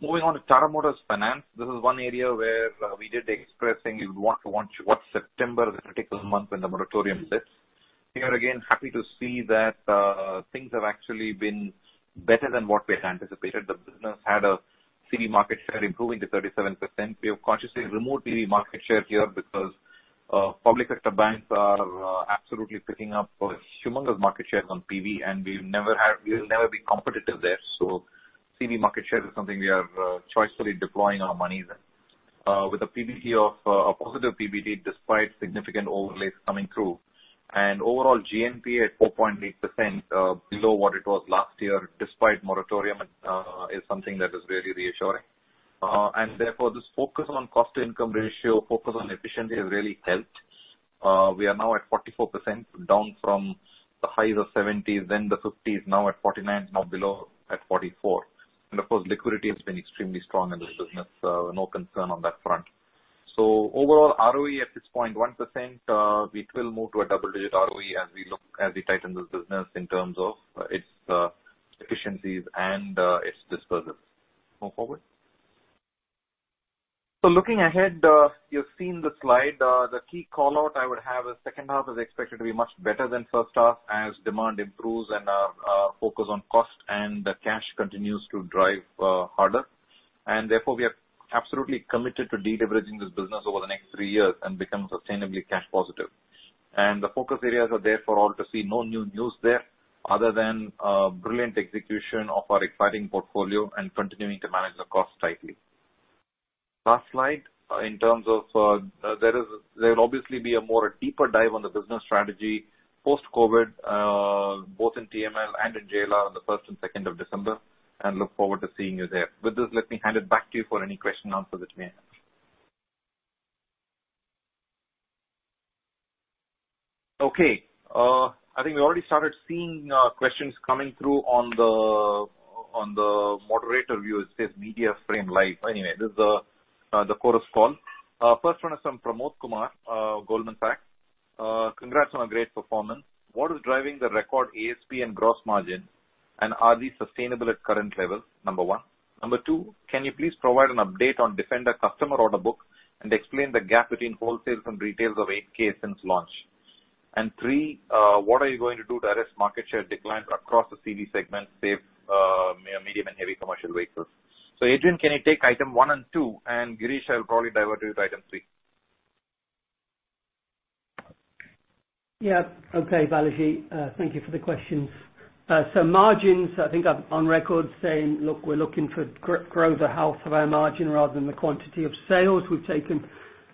Moving on to Tata Motors Finance, this is one area where we did express saying we would want to watch September, the critical month when the moratorium lifts. Here again, happy to see that things have actually been better than what we had anticipated. The business had a CV market share improving to 37%. We have consciously removed CV market share here because public sector banks are absolutely picking up humongous market shares on PV, and we will never be competitive there. CV market share is something we are choicefully deploying our monies in. With a PBT of a positive PBT despite significant overlays coming through and overall GNPA at 4.8%, below what it was last year despite moratorium, is something that is very reassuring. Therefore, this focus on cost-to-income ratio, focus on efficiency has really helped. We are now at 44%, down from the highs of 70%s, then the 50%s, now at 49%, now below at 44%. Of course, liquidity has been extremely strong in this business. No concern on that front. Overall ROE at 6.1%, it will move to a double-digit ROE as we tighten this business in terms of its efficiencies and its disbursals. Move forward. Looking ahead, you've seen the slide. The key call-out I would have is second half is expected to be much better than first half as demand improves and our focus on cost and the cash continues to drive harder. Therefore, we are absolutely committed to de-leveraging this business over the next three years and become sustainably cash positive. The focus areas are there for all to see. No new news there other than brilliant execution of our exciting portfolio and continuing to manage the cost tightly. Last slide. There will obviously be a more deeper dive on the business strategy post-COVID, both in TML and in JLR on the first and second of December. Look forward to seeing you there. With this, let me hand it back to you for any question and answer that you may have. Okay. I think we already started seeing questions coming through on the moderator view, it says media stream live. Anyway, this is the Chorus Call. First one is from Pramod Kumar, Goldman Sachs. Congrats on a great performance. What is driving the record ASP and gross margin? Are these sustainable at current levels? Number one. Number two, can you please provide an update on Defender customer order book and explain the gap between wholesales and retails of 8,000 since launch. Three, what are you going to do to arrest market share decline across the CV segment, save medium and heavy commercial vehicles? Adrian, can you take item one and two, and Girish, I'll probably divert you to item three. Okay, Balaji. Thank you for the questions. Margins, I think I'm on record saying, look, we're looking to grow the health of our margin rather than the quantity of sales. We've taken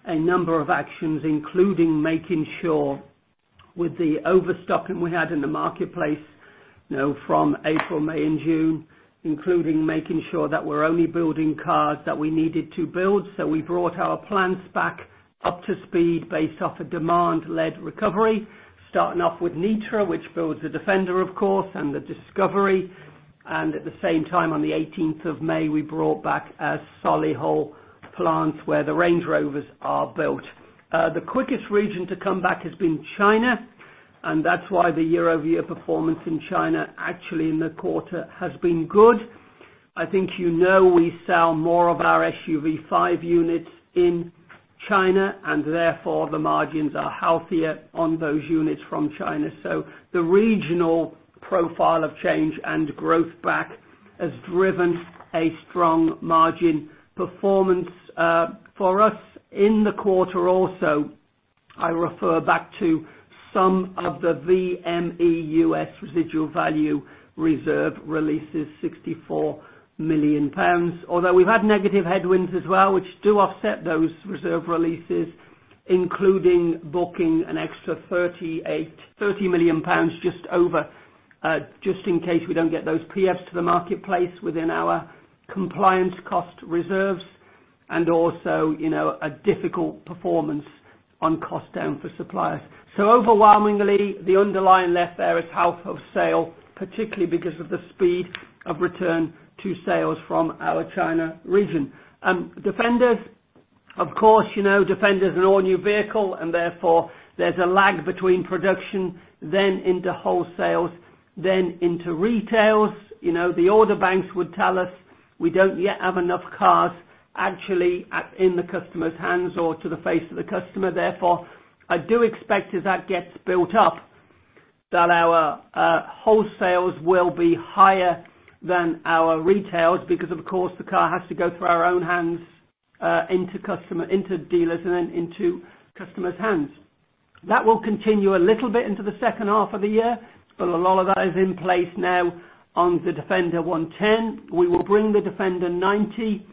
a number of actions, including making sure with the overstocking we had in the marketplace from April, May, and June, including making sure that we're only building cars that we needed to build. We brought our plants back up to speed based off a demand-led recovery, starting off with Nitra, which builds the Defender, of course, and the Discovery. At the same time, on the 18th of May, we brought back our Solihull plants, where the Range Rovers are built. The quickest region to come back has been China, and that's why the year-over-year performance in China actually in the quarter has been good. I think you know we sell more of our SUV5 units in China, and therefore, the margins are healthier on those units from China. The regional profile of change and growth back has driven a strong margin performance for us in the quarter also. I refer back to some of the VME residual value reserve releases, 64 million pounds. Although we've had negative headwinds as well, which do offset those reserve releases, including booking an extra 30 million pounds just in case we don't get those PHEVs to the marketplace within our compliance cost reserves, and also a difficult performance on cost down for suppliers. Overwhelmingly, the underlying left there is health of sale, particularly because of the speed of return to sales from our China region. Defenders, of course, Defender is an all-new vehicle, therefore, there is a lag between production, then into wholesales, then into retails. The order banks would tell us we do not yet have enough cars actually in the customer's hands or to the face of the customer. Therefore, I do expect as that gets built up, that our wholesales will be higher than our retails, because of course, the car has to go through our own hands into dealers, and then into customers' hands. That will continue a little bit into the second half of the year, but a lot of that is in place now on the Land Rover Defender 110. We will bring the Land Rover Defender 90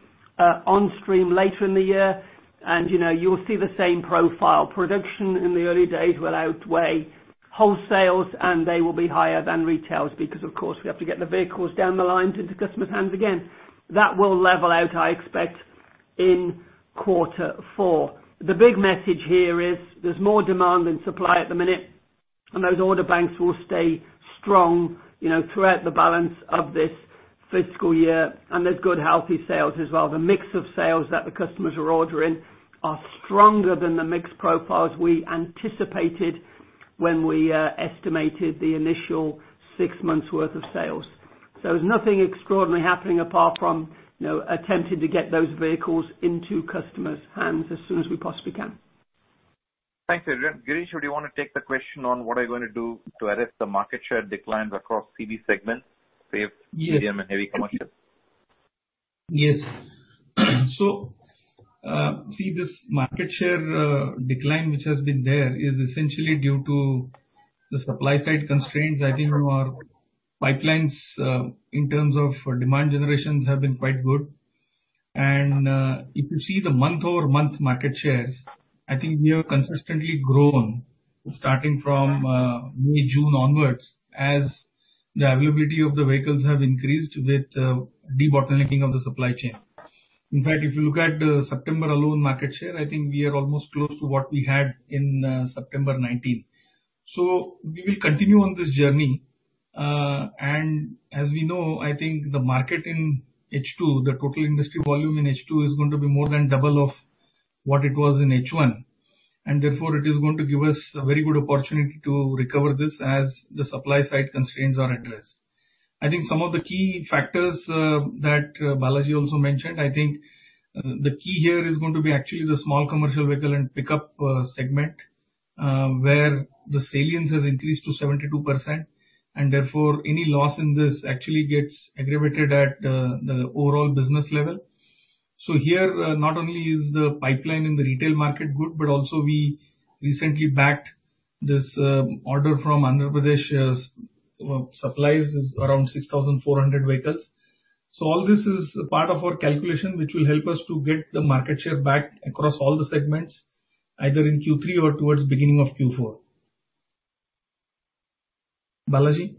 on stream later in the year, and you will see the same profile. Production in the early days will outweigh wholesales, and they will be higher than retails because, of course, we have to get the vehicles down the line into customers' hands again. That will level out, I expect, in quarter four. The big message here is, there's more demand than supply at the minute, and those order banks will stay strong throughout the balance of this fiscal year, and there's good, healthy sales as well. The mix of sales that the customers are ordering are stronger than the mix profiles we anticipated when we estimated the initial six months' worth of sales. There's nothing extraordinary happening apart from attempting to get those vehicles into customers' hands as soon as we possibly can. Thanks, Adrian. Girish, would you want to take the question on what are you going to do to arrest the market share declines across CV segments, save Medium and Heavy Commercial? Yes. See this market share decline which has been there is essentially due to the supply side constraints. I think our pipelines, in terms of demand generations, have been quite good. If you see the month-over-month market shares, I think we have consistently grown, starting from mid-June onwards, as the availability of the vehicles have increased with debottlenecking of the supply chain. In fact, if you look at September alone market share, I think we are almost close to what we had in September 2019. We will continue on this journey. As we know, I think the market in H2, the total industry volume in H2 is going to be more than double of what it was in H1, and therefore, it is going to give us a very good opportunity to recover this as the supply side constraints are addressed. I think some of the key factors that Balaji also mentioned, I think the key here is going to be actually the small commercial vehicle and pickup segment, where the salience has increased to 72%. Therefore, any loss in this actually gets aggravated at the overall business level. Here, not only is the pipeline in the retail market good, but also we recently backed this order from Andhra Pradesh. Supplies is around 6,400 vehicles. All this is part of our calculation, which will help us to get the market share back across all the segments, either in Q3 or towards beginning of Q4. Balaji?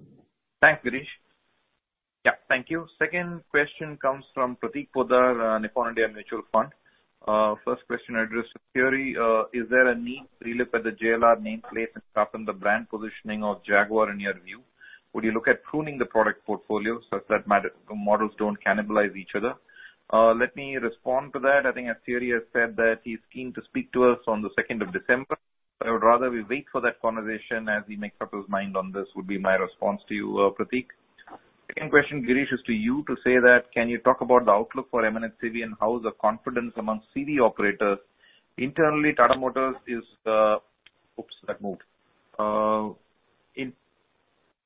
Thanks, Girish. Thank you. Second question comes from Prateek Poddar, Nippon India Mutual Fund. First question addressed to Thierry. Is there a need really for the JLR nameplate and sharpen the brand positioning of Jaguar in your view? Would you look at pruning the product portfolio such that the models don't cannibalize each other? Let me respond to that. I think as Thierry has said that he's keen to speak to us on the 2nd of December. I would rather we wait for that conversation as he makes up his mind on this, would be my response to you, Prateek. Second question, Girish, is to you to say that can you talk about the outlook for M&HCV and how is the confidence among CV operators. Internally, Tata Motors has leading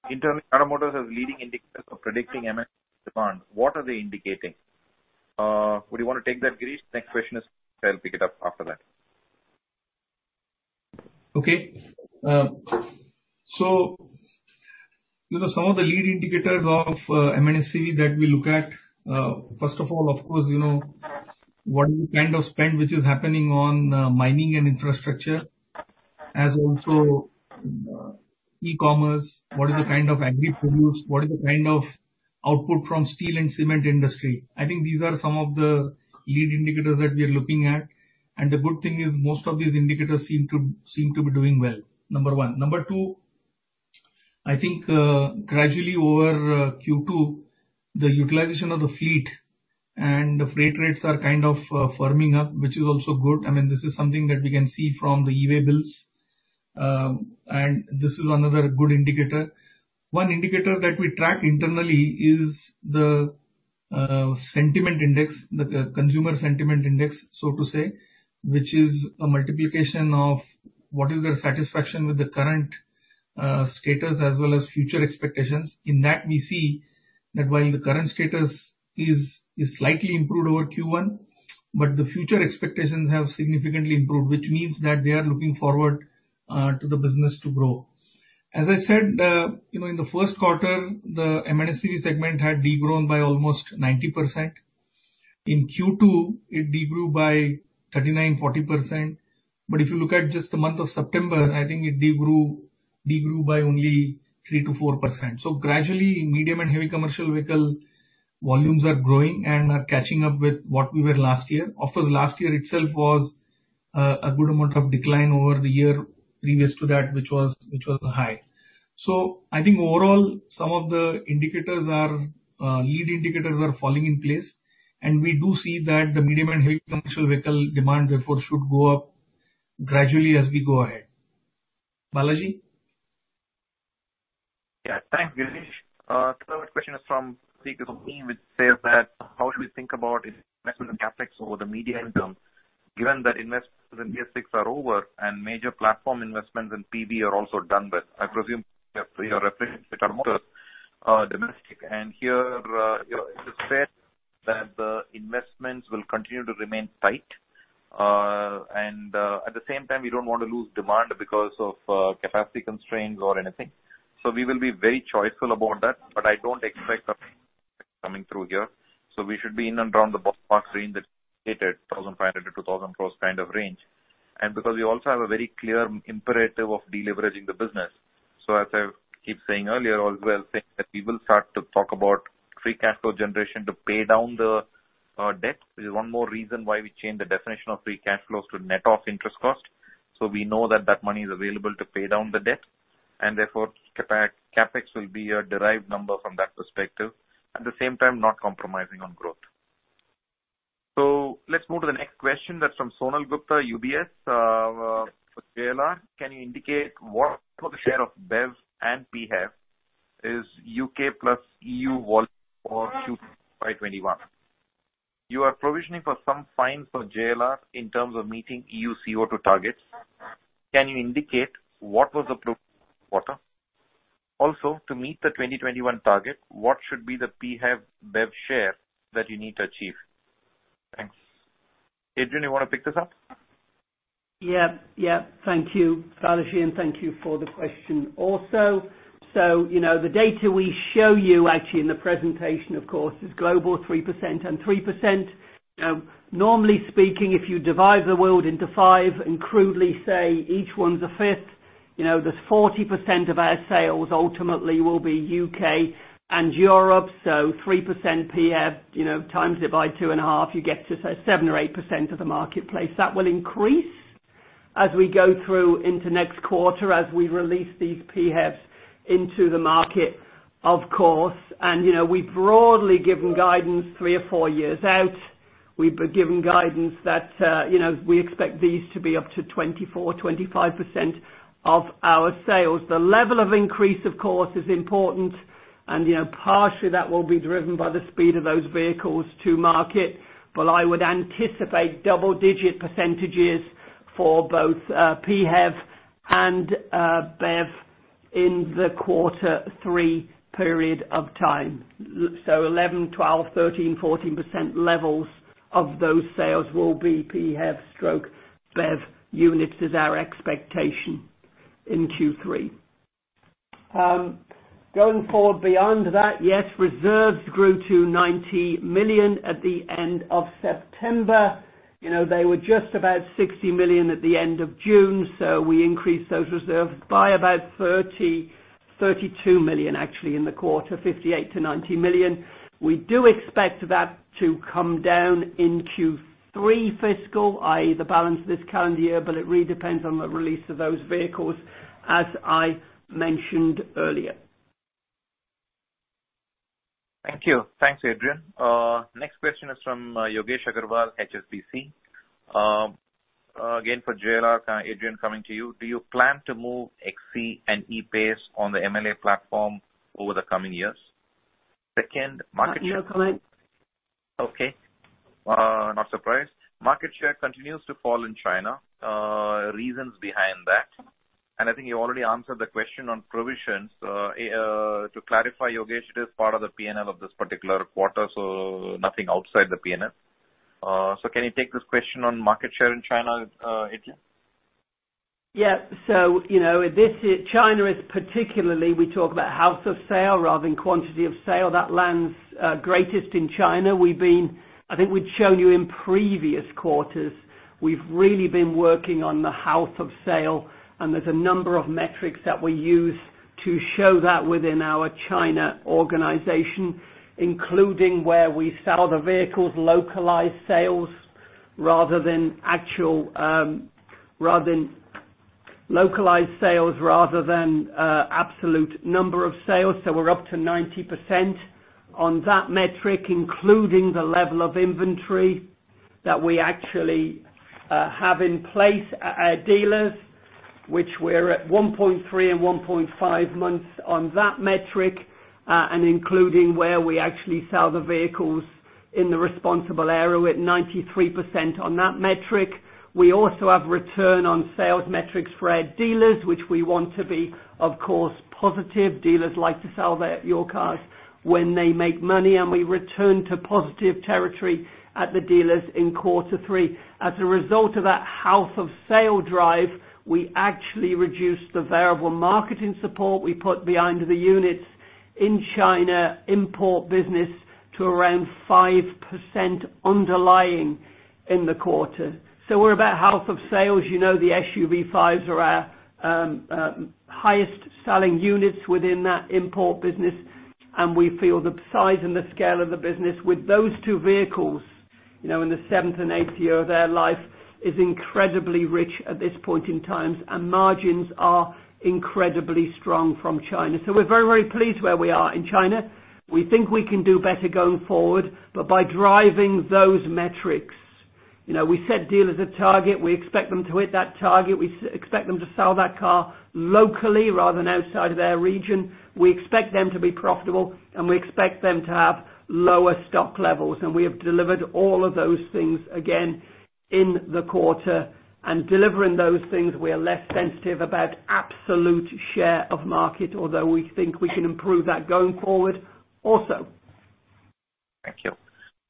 indicators of predicting M&HCV demand. What are they indicating? Would you want to take that, Girish? Next question is, I'll pick it up after that. Some of the lead indicators of M&HCV that we look at, first of all, of course, what is the kind of spend which is happening on mining and infrastructure, as also e-commerce, what is the kind of agri produce, what is the kind of output from steel and cement industry. I think these are some of the lead indicators that we are looking at, the good thing is most of these indicators seem to be doing well. Number one. Number two, I think, gradually over Q2, the utilization of the fleet and the freight rates are kind of firming up, which is also good. I mean, this is something that we can see from the e-way bills. This is another good indicator. One indicator that we track internally is the sentiment index, the consumer sentiment index, so to say, which is a multiplication of what is their satisfaction with the current status as well as future expectations. We see that while the current status is slightly improved over Q1, the future expectations have significantly improved, which means that they are looking forward to the business to grow. As I said, in the first quarter, the M&HCV segment had de-grown by almost 90%. Q2, it de-grew by 39%-40%. If you look at just the month of September, I think it de-grew by only 3%-4%. Gradually, medium and heavy commercial vehicle volumes are growing and are catching up with what we were last year. Of course, last year itself was a good amount of decline over the year previous to that which was high. I think overall, some of the lead indicators are falling in place, and we do see that the medium and heavy commercial vehicle demand, therefore, should go up gradually as we go ahead. Balaji? Thanks, Girish. Third question is from (Prateek of BMO), which says that how should we think about investments in CapEx over the medium term, given that investments in BS6 are over and major platform investments in PV are also done with. I presume you are referring to Tata Motors domestic. Here, it is said that the investments will continue to remain tight. At the same time, we don't want to lose demand because of capacity constraints or anything. We will be very choiceful about that, but I don't expect something coming through here. We should be in and around the ballpark range that you stated, 1,500 crore to 2,000 crore kind of range. Because we also have a very clear imperative of deleveraging the business. As I keep saying earlier, also I think that we will start to talk about free cash flow generation to pay down the debt. This is one more reason why we changed the definition of free cash flows to net off interest cost. We know that that money is available to pay down the debt, and therefore CapEx will be a derived number from that perspective, at the same time, not compromising on growth. Let's move to the next question. That's from Sonal Gupta, UBS. For JLR, can you indicate what the share of BEV and PHEV is U.K. plus EU volume for Q2 FY 2021? You are provisioning for some fines for JLR in terms of meeting EU CO2 targets. Can you indicate what was approved quarter? Also, to meet the 2021 target, what should be the PHEV/BEV share that you need to achieve? Thanks. Adrian, you want to pick this up? Yeah. Thank you, Balaji, and thank you for the question also. The data we show you actually in the presentation, of course, is global 3% and 3%. Normally speaking, if you divide the world into five and crudely say each one's a fifth, there's 40% of our sales ultimately will be U.K. and Europe. 3% PHEV, times it by 2.5, you get to, say, 7% or 8% of the marketplace. That will increase as we go through into next quarter, as we release these PHEVs into the market, of course. We've broadly given guidance three or four years out. We've given guidance that we expect these to be up to 24%, 25% of our sales. The level of increase, of course, is important and partially that will be driven by the speed of those vehicles to market. I would anticipate double-digit percentages for both PHEV and BEV in the Q3 period of time. 11%, 12%, 13%, 14% levels of those sales will be PHEV/BEV units is our expectation in Q3. Going forward beyond that, yes, reserves grew to 90 million at the end of September. They were just about 60 million at the end of June, so we increased those reserves by about 32 million actually in the quarter, 58 million-90 million. We do expect that to come down in Q3 fiscal, i.e., the balance of this calendar year, but it really depends on the release of those vehicles, as I mentioned earlier. Thank you. Thanks, Adrian. Next question is from Yogesh Aggarwal, HSBC. Again for JLR, Adrian coming to you. Do you plan to move Jaguar XE and Jaguar E-PACE on the MLA platform over the coming years? Second, market- I will not comment. Okay. Not surprised. Market share continues to fall in China. Reasons behind that? I think you already answered the question on provisions. To clarify, Yogesh, it is part of the P&L of this particular quarter, so nothing outside the P&L. Can you take this question on market share in China, Adrian? Yeah. China is particularly, we talk about health of sale rather than quantity of sale. That lands greatest in China. I think we'd shown you in previous quarters, we've really been working on the health of sale, and there's a number of metrics that we use to show that within our China organization, including where we sell the vehicles, localized sales rather than absolute number of sales. We're up to 90% on that metric, including the level of inventory that we actually have in place at our dealers, which we're at 1.3 and 1.5 months on that metric, and including where we actually sell the vehicles in the responsible area, we're at 93% on that metric. We also have return on sales metrics for our dealers, which we want to be, of course, positive. Dealers like to sell your cars when they make money. We return to positive territory at the dealers in quarter three. As a result of that health of sale drive, we actually reduced the variable marketing support we put behind the units in China import business to around 5% underlying in the quarter. We're about health of sales. You know the SUV5s are our highest selling units within that import business, and we feel the size and the scale of the business with those two vehicles, in the seventh and eighth year of their life, is incredibly rich at this point in time, and margins are incredibly strong from China. We're very, very pleased where we are in China. We think we can do better going forward by driving those metrics. We set dealers a target. We expect them to hit that target. We expect them to sell that car locally rather than outside of their region. We expect them to be profitable, and we expect them to have lower stock levels. We have delivered all of those things again in the quarter. Delivering those things, we are less sensitive about absolute share of market, although we think we can improve that going forward also. Thank you.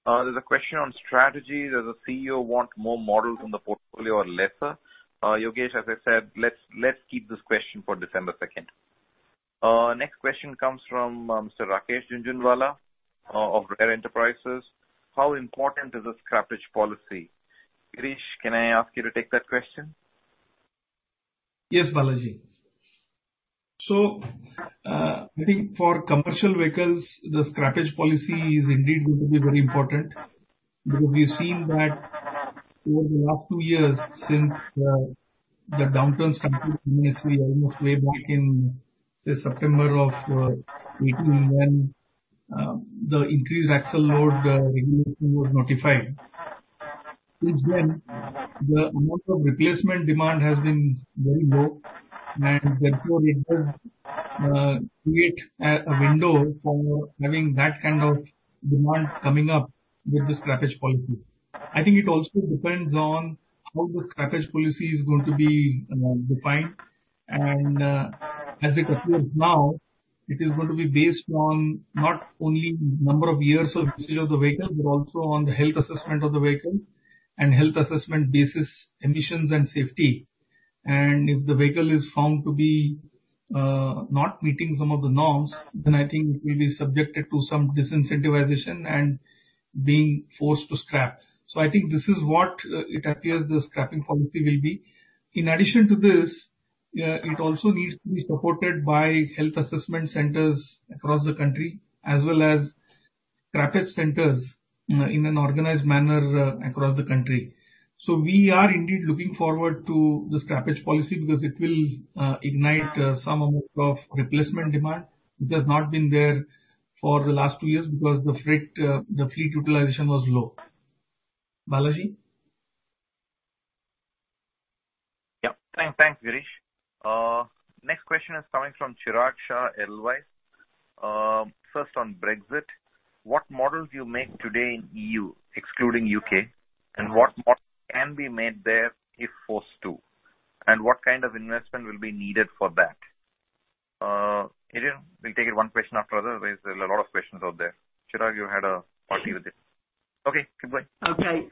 There's a question on strategy. Does the CEO want more models in the portfolio or lesser? Yogesh, as I said, let's keep this question for December 2nd. Next question comes from Mr Rakesh Jhunjhunwala of Rare Enterprises. How important is the scrappage policy? Girish, can I ask you to take that question? Yes, Balaji. I think for commercial vehicles, the scrappage policy is indeed going to be very important, because we've seen that over the last two years since the downturn started, we see almost way back in, say, September of 2018 when the increased axle load regulation was notified. Since then, the amount of replacement demand has been very low, and therefore we have to create a window for having that kind of demand coming up with the scrappage policy. I think it also depends on how the scrappage policy is going to be defined. As it appears now, it is going to be based on not only number of years of usage of the vehicle, but also on the health assessment of the vehicle and health assessment basis emissions and safety. If the vehicle is found to be not meeting some of the norms, I think it will be subjected to some disincentivization and being forced to scrap. I think this is what it appears the scrapping policy will be. In addition to this, it also needs to be supported by health assessment centers across the country, as well as scrappage centers in an organized manner across the country. We are indeed looking forward to the scrappage policy because it will ignite some amount of replacement demand which has not been there for the last two years because the fleet utilization was low. Balaji? Yeah. Thanks, Girish. Next question is coming from Chirag Shah, Edelweiss. First on Brexit. What models you make today in EU, excluding U.K., and what models can be made there if forced to? What kind of investment will be needed for that? Adrian, we'll take it one question after the other. There's a lot of questions out there. Chirag, you had a party with you. Okay, goodbye.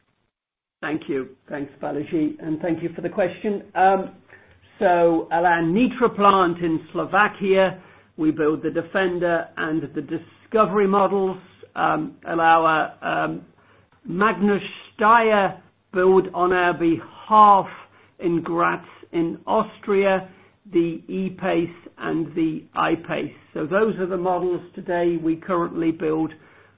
Thank you. Thanks, Balaji, and thank you for the question. At our Nitra plant in Slovakia, we build the Defender and the Discovery models. At our Magna Steyr build on our behalf in Graz in Austria, the Jaguar E-PACE and the Jaguar I-PACE. Those are the models today we currently build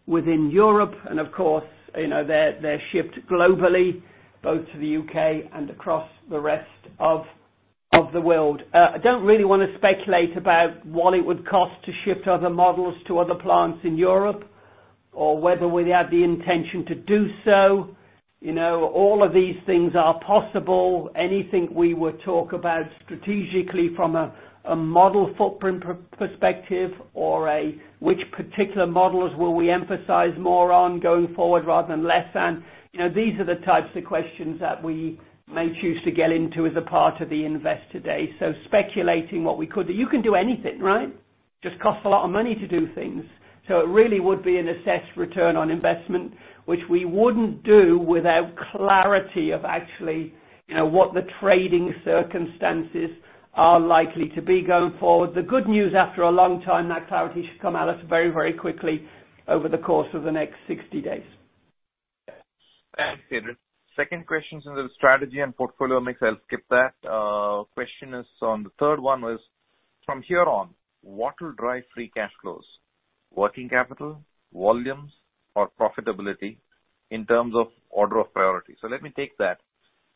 within Europe. Of course, they're shipped globally, both to the U.K. and across the rest of the world. I don't really want to speculate about what it would cost to ship other models to other plants in Europe, or whether we have the intention to do so. All of these things are possible. Anything we would talk about strategically from a model footprint perspective or a which particular models will we emphasize more on going forward rather than less than. These are the types of questions that we may choose to get into as a part of the Investor Day. Speculating what we could do. You can do anything, right? Just costs a lot of money to do things. It really would be an assessed return on investment, which we wouldn't do without clarity of actually what the trading circumstances are likely to be going forward. The good news, after a long time, that clarity should come at us very quickly over the course of the next 60 days. Thanks, Adrian. Second question is on the strategy and portfolio mix. I'll skip that. Question is on the third one was, from here on, what will drive free cash flows, working capital, volumes, or profitability in terms of order of priority? Let me take that.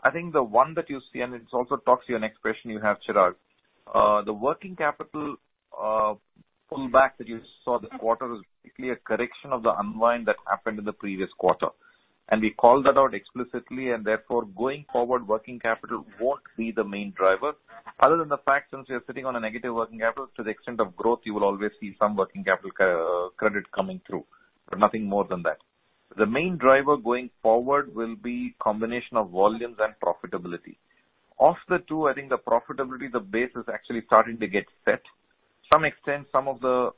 I think the one that you see, and it also talks to your next question you have, Chirag. The working capital pullback that you saw this quarter was basically a correction of the unwind that happened in the previous quarter. We called that out explicitly, and therefore, going forward, working capital won't be the main driver. Other than the fact since we are sitting on a negative working capital, to the extent of growth, you will always see some working capital credit coming through, but nothing more than that. The main driver going forward will be combination of volumes and profitability. Of the two, I think the profitability, the base is actually starting to get set. Some extent, some of the,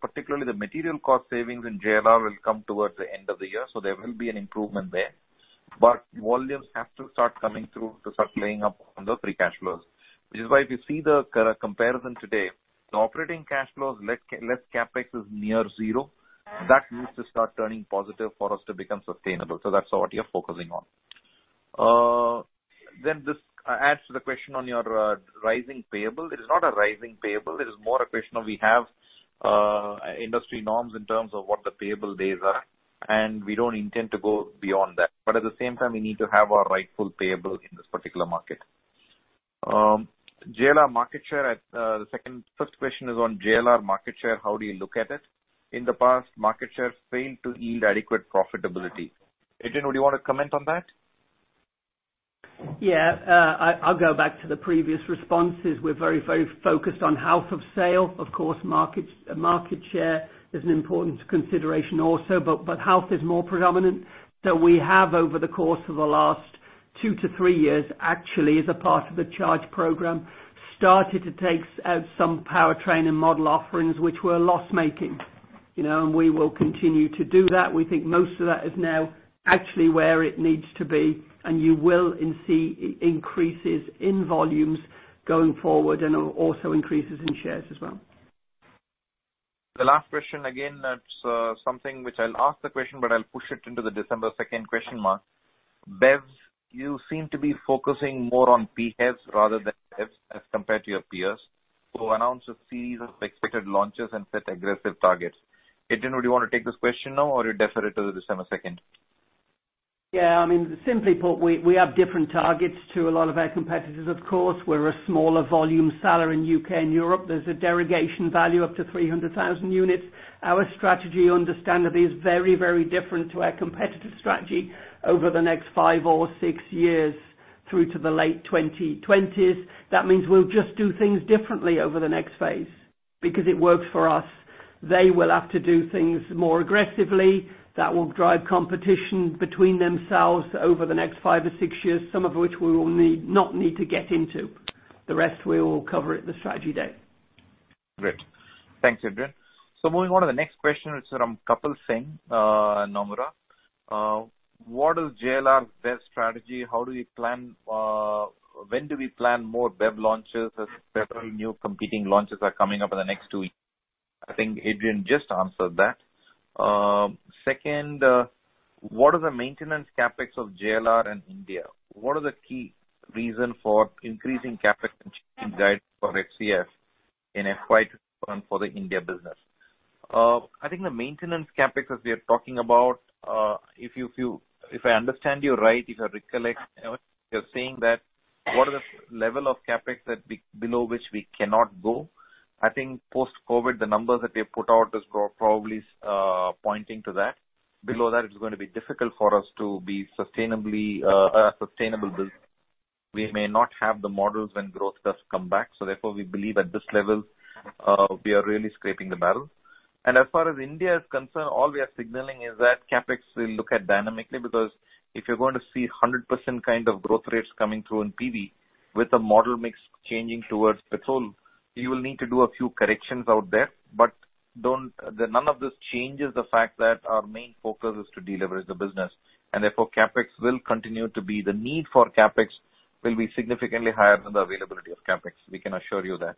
particularly the material cost savings in JLR will come towards the end of the year, so there will be an improvement there. Volumes have to start coming through to start playing up on the free cash flows. Which is why if you see the comparison today, the operating cash flows, less CapEx is near zero. That needs to start turning positive for us to become sustainable. That's what you're focusing on. This adds to the question on your rising payable. It is not a rising payable. It is more a question of we have industry norms in terms of what the payable days are, and we don't intend to go beyond that. At the same time, we need to have our rightful payable in this particular market. First question is on JLR market share. How do you look at it? In the past, market share failed to yield adequate profitability. Adrian, would you want to comment on that? Yeah. I'll go back to the previous responses. We're very focused on health of sale. Of course, market share is an important consideration also, but health is more predominant. We have, over the course of the last two to three years, actually as a part of the Charge program, started to take out some powertrain and model offerings which were loss-making. We will continue to do that. We think most of that is now actually where it needs to be, and you will see increases in volumes going forward and also increases in shares as well. The last question, again, that's something which I'll ask the question, but I'll push it into the December 2nd question mark. BEVs, you seem to be focusing more on PHEVs rather than HEVs as compared to your peers, who announced a series of expected launches and set aggressive targets. Adrian, would you want to take this question now or you defer it till December 2nd? Yeah. I mean, simply put, we have different targets to a lot of our competitors, of course. We're a smaller volume seller in U.K. and Europe. There's a derogation value up to 300,000 units. Our strategy understandably is very different to our competitive strategy over the next five or six years through to the late 2020s. That means we'll just do things differently over the next phase because it works for us. They will have to do things more aggressively. That will drive competition between themselves over the next five or six years, some of which we will not need to get into. The rest we will cover at the strategy day. Great. Thanks, Adrian. Moving on to the next question, it's from Kapil Singh, Nomura. What is JLR's best strategy? When do we plan more BEV launches, as several new competing launches are coming up in the next two weeks? I think Adrian just answered that. Second, what are the maintenance CapEx of JLR in India? What are the key reason for increasing CapEx and changing guidance for FCF in FY 2021 for the India business? I think the maintenance CapEx as we are talking about, if I understand you right, if I recollect, you're saying that what are the level of CapEx that below which we cannot go. I think post-COVID, the numbers that we have put out is probably pointing to that. Below that, it's going to be difficult for us to be a sustainable business. We may not have the models when growth does come back. Therefore, we believe at this level, we are really scraping the barrel. As far as India is concerned, all we are signaling is that CapEx we look at dynamically, because if you're going to see 100% kind of growth rates coming through in PV with the model mix changing towards petrol, you will need to do a few corrections out there. None of this changes the fact that our main focus is to deleverage the business, and therefore CapEx will continue to be the need for CapEx will be significantly higher than the availability of CapEx. We can assure you that.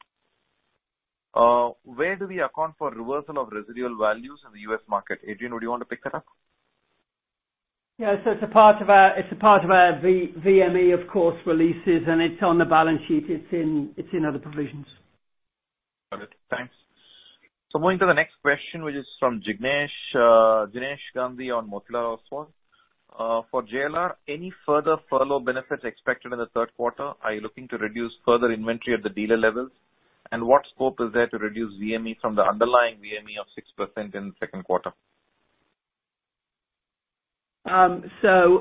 Where do we account for reversal of residual values in the U.S. market? Adrian, would you want to pick that up? Yes. It's a part of our VME, of course, releases, and it's on the balance sheet. It's in other provisions. Got it. Thanks. Moving to the next question, which is from Jinesh Gandhi on Motilal Oswal. For JLR, any further furlough benefits expected in the third quarter? Are you looking to reduce further inventory at the dealer levels? What scope is there to reduce VME from the underlying VME of 6% in the second quarter?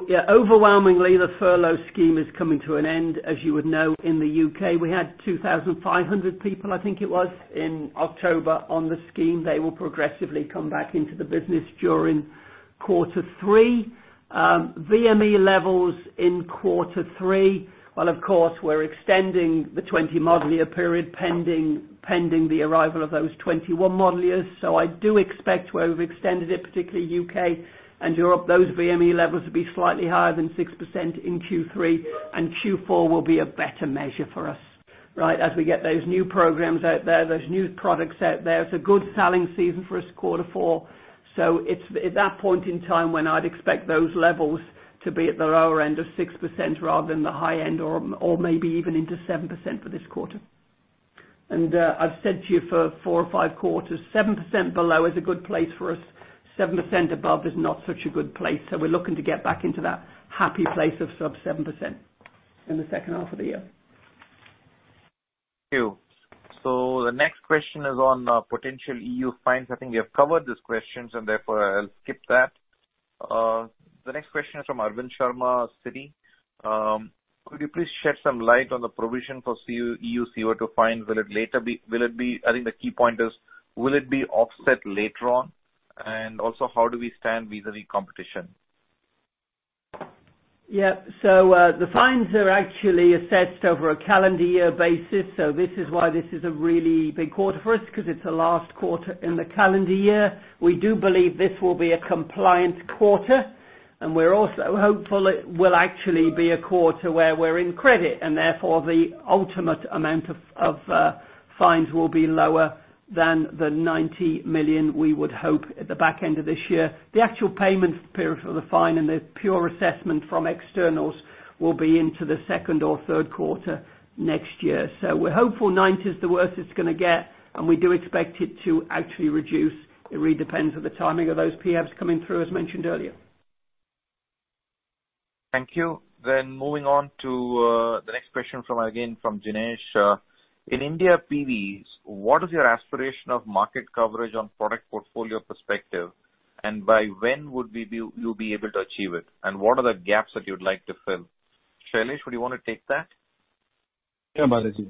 Yeah, overwhelmingly, the furlough scheme is coming to an end. As you would know, in the U.K., we had 2,500 people, I think it was, in October on the scheme. They will progressively come back into the business during quarter three. VME levels in quarter three, well, of course, we're extending the 20-model-year period pending the arrival of those 21 model years. I do expect where we've extended it, particularly U.K. and Europe, those VME levels will be slightly higher than 6% in Q3, and Q4 will be a better measure for us. As we get those new programs out there, those new products out there, it's a good selling season for us, quarter four. It's that point in time when I'd expect those levels to be at the lower end of 6% rather than the high end or maybe even into 7% for this quarter. I've said to you for four or five quarters, 7% below is a good place for us, 7% above is not such a good place. We're looking to get back into that happy place of sub 7% in the second half of the year. Thank you. The next question is on potential EU fines. I think we have covered these questions, and therefore I'll skip that. The next question is from Arvind Sharma, Citi. Could you please shed some light on the provision for EU CO2 fines? I think the key point is, will it be offset later on? Also, how do we stand vis-à-vis competition? The fines are actually assessed over a calendar year basis, this is why this is a really big quarter for us, because it's the last quarter in the calendar year. We do believe this will be a compliant quarter, and we're also hopeful it will actually be a quarter where we're in credit, and therefore the ultimate amount of fines will be lower than the 90 million we would hope at the back end of this year. The actual payments period for the fine and the pure assessment from externals will be into the second or third quarter next year. We're hopeful 90 million is the worst it's going to get, and we do expect it to actually reduce. It really depends on the timing of those PHEVs coming through as mentioned earlier. Thank you. Moving on to the next question from, again, from Jinesh. In India PVs, what is your aspiration of market coverage on product portfolio perspective, by when would you be able to achieve it? What are the gaps that you'd like to fill? Shailesh, would you want to take that? Yeah, Balaji.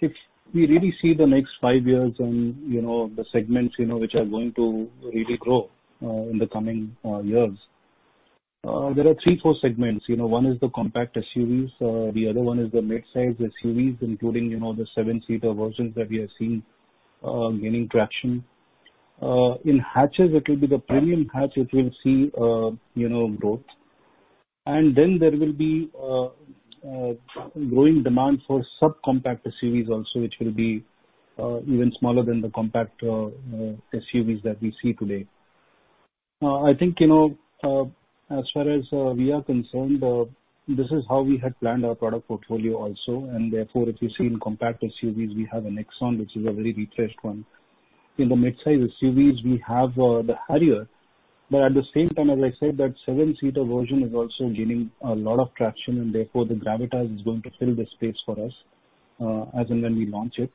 If we really see the next five years and the segments which are going to really grow in the coming years, there are three, four segments. One is the compact SUVs. The other one is the midsize SUVs, including the seven-seater versions that we are seeing gaining traction. In hatches, it will be the premium hatch which will see growth. There will be a growing demand for sub-compact SUVs also, which will be even smaller than the compact SUVs that we see today. I think, as far as we are concerned, this is how we had planned our product portfolio also. If you see in compact SUVs, we have a Tata Nexon, which is a very refreshed one. In the midsize SUVs, we have the Tata Harrier. At the same time, as I said, that seven-seater version is also gaining a lot of traction, therefore the Tata Gravitas is going to fill this space for us, as and when we launch it.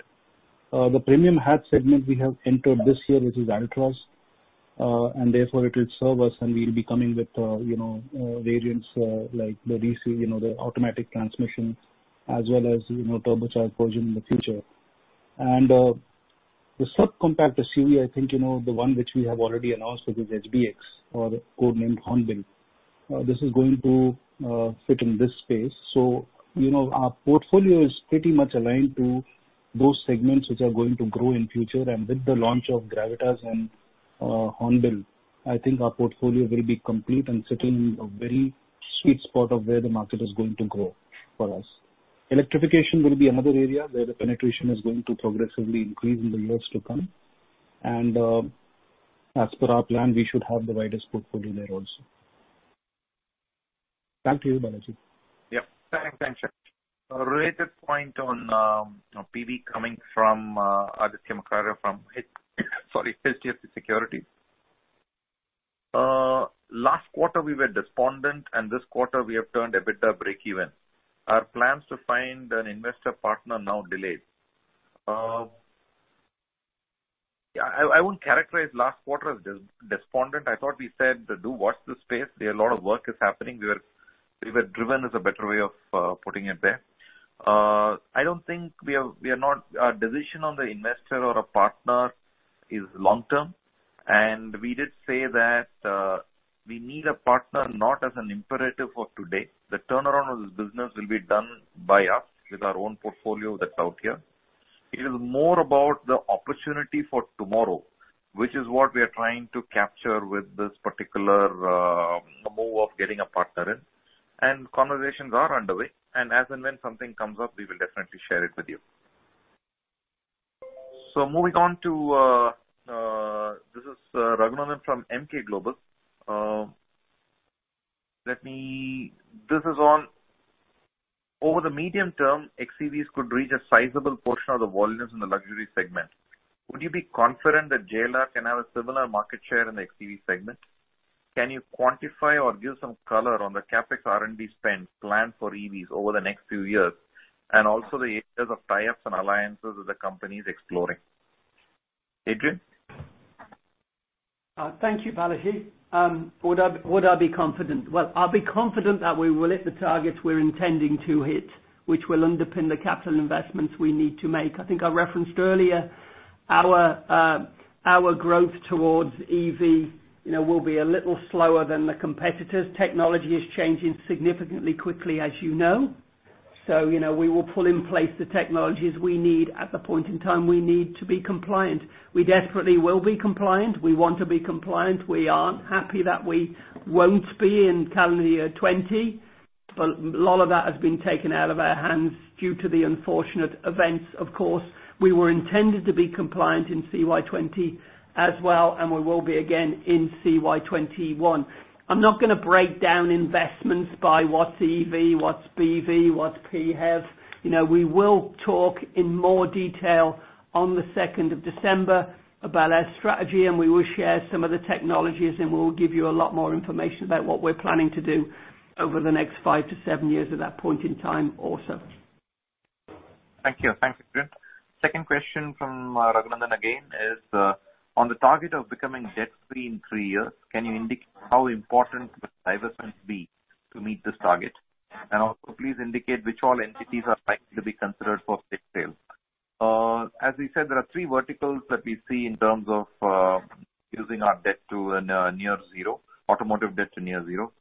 The premium hatch segment we have entered this year, which is Tata Altroz, and therefore it will serve us, and we will be coming with variants like the DCT, the automatic transmission, as well as turbocharged version in the future. The sub-compact SUV, I think the one which we have already announced, which is Tata HBX or codenamed Hornbill. This is going to sit in this space. Our portfolio is pretty much aligned to those segments which are going to grow in future. With the launch of Tata Gravitas and Hornbill, I think our portfolio will be complete and sit in a very sweet spot of where the market is going to grow for us. Electrification will be another area where the penetration is going to progressively increase in the years to come. As per our plan, we should have the widest portfolio there also. Thank you, Balaji. Yep. Thanks. A related point on PV coming from Aditya Makharia from HDFC Securities. Last quarter, we were despondent, and this quarter we have turned EBITDA breakeven. Are plans to find an investor partner now delayed? I won't characterize last quarter as despondent. I thought we said to do watch this space. There a lot of work is happening. We were driven is a better way of putting it there. Our decision on the investor or a partner is long-term, and we did say that we need a partner not as an imperative for today. The turnaround of this business will be done by us with our own portfolio that's out here. It is more about the opportunity for tomorrow, which is what we are trying to capture with this particular move of getting a partner in. Conversations are underway, and as and when something comes up, we will definitely share it with you. This is Raghunandhan N. L. from Emkay Global. Over the medium term, xEVs could reach a sizable portion of the volumes in the luxury segment. Would you be confident that JLR can have a similar market share in the xEV segment? Can you quantify or give some color on the CapEx R&D spend plan for EVs over the next few years, and also the areas of tie-ups and alliances that the company is exploring? Adrian? Thank you, Balaji. Would I be confident? Well, I'll be confident that we will hit the targets we're intending to hit, which will underpin the capital investments we need to make. I think I referenced earlier our growth towards EV will be a little slower than the competitors. Technology is changing significantly quickly, as you know. We will put in place the technologies we need at the point in time we need to be compliant. We desperately will be compliant. We want to be compliant. We aren't happy that we won't be in calendar year 2020. A lot of that has been taken out of our hands due to the unfortunate events, of course. We were intended to be compliant in CY 2020 as well. We will be again in CY 2021. I'm not going to break down investments by what's EV, what's BEV, what's PHEV. We will talk in more detail on the 2nd of December about our strategy, and we will share some of the technologies, and we'll give you a lot more information about what we're planning to do over the next five to seven years at that point in time also. Thank you. Thanks, Adrian. Second question from Raghunandhan N. L. again is, on the target of becoming debt-free in three years, can you indicate how important the divestments will be to meet this target? Also please indicate which all entities are likely to be considered for sale. As we said, there are three verticals that we see in terms of using our debt to near zero, automotive debt to near zero.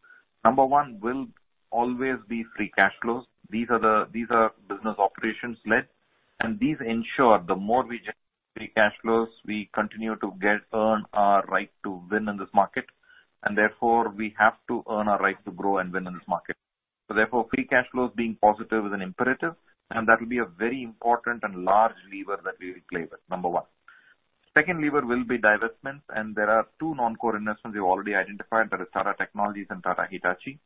Number one will always be free cash flows. These are business operations led, these ensure the more we generate free cash flows, we continue to earn our right to win in this market. We have to earn our right to grow and win in this market. Free cash flows being positive is an imperative, that will be a very important and large lever that we will play with, number one. Second lever will be divestments, and there are two non-core investments we've already identified. That is Tata Technologies and Tata Hitachi.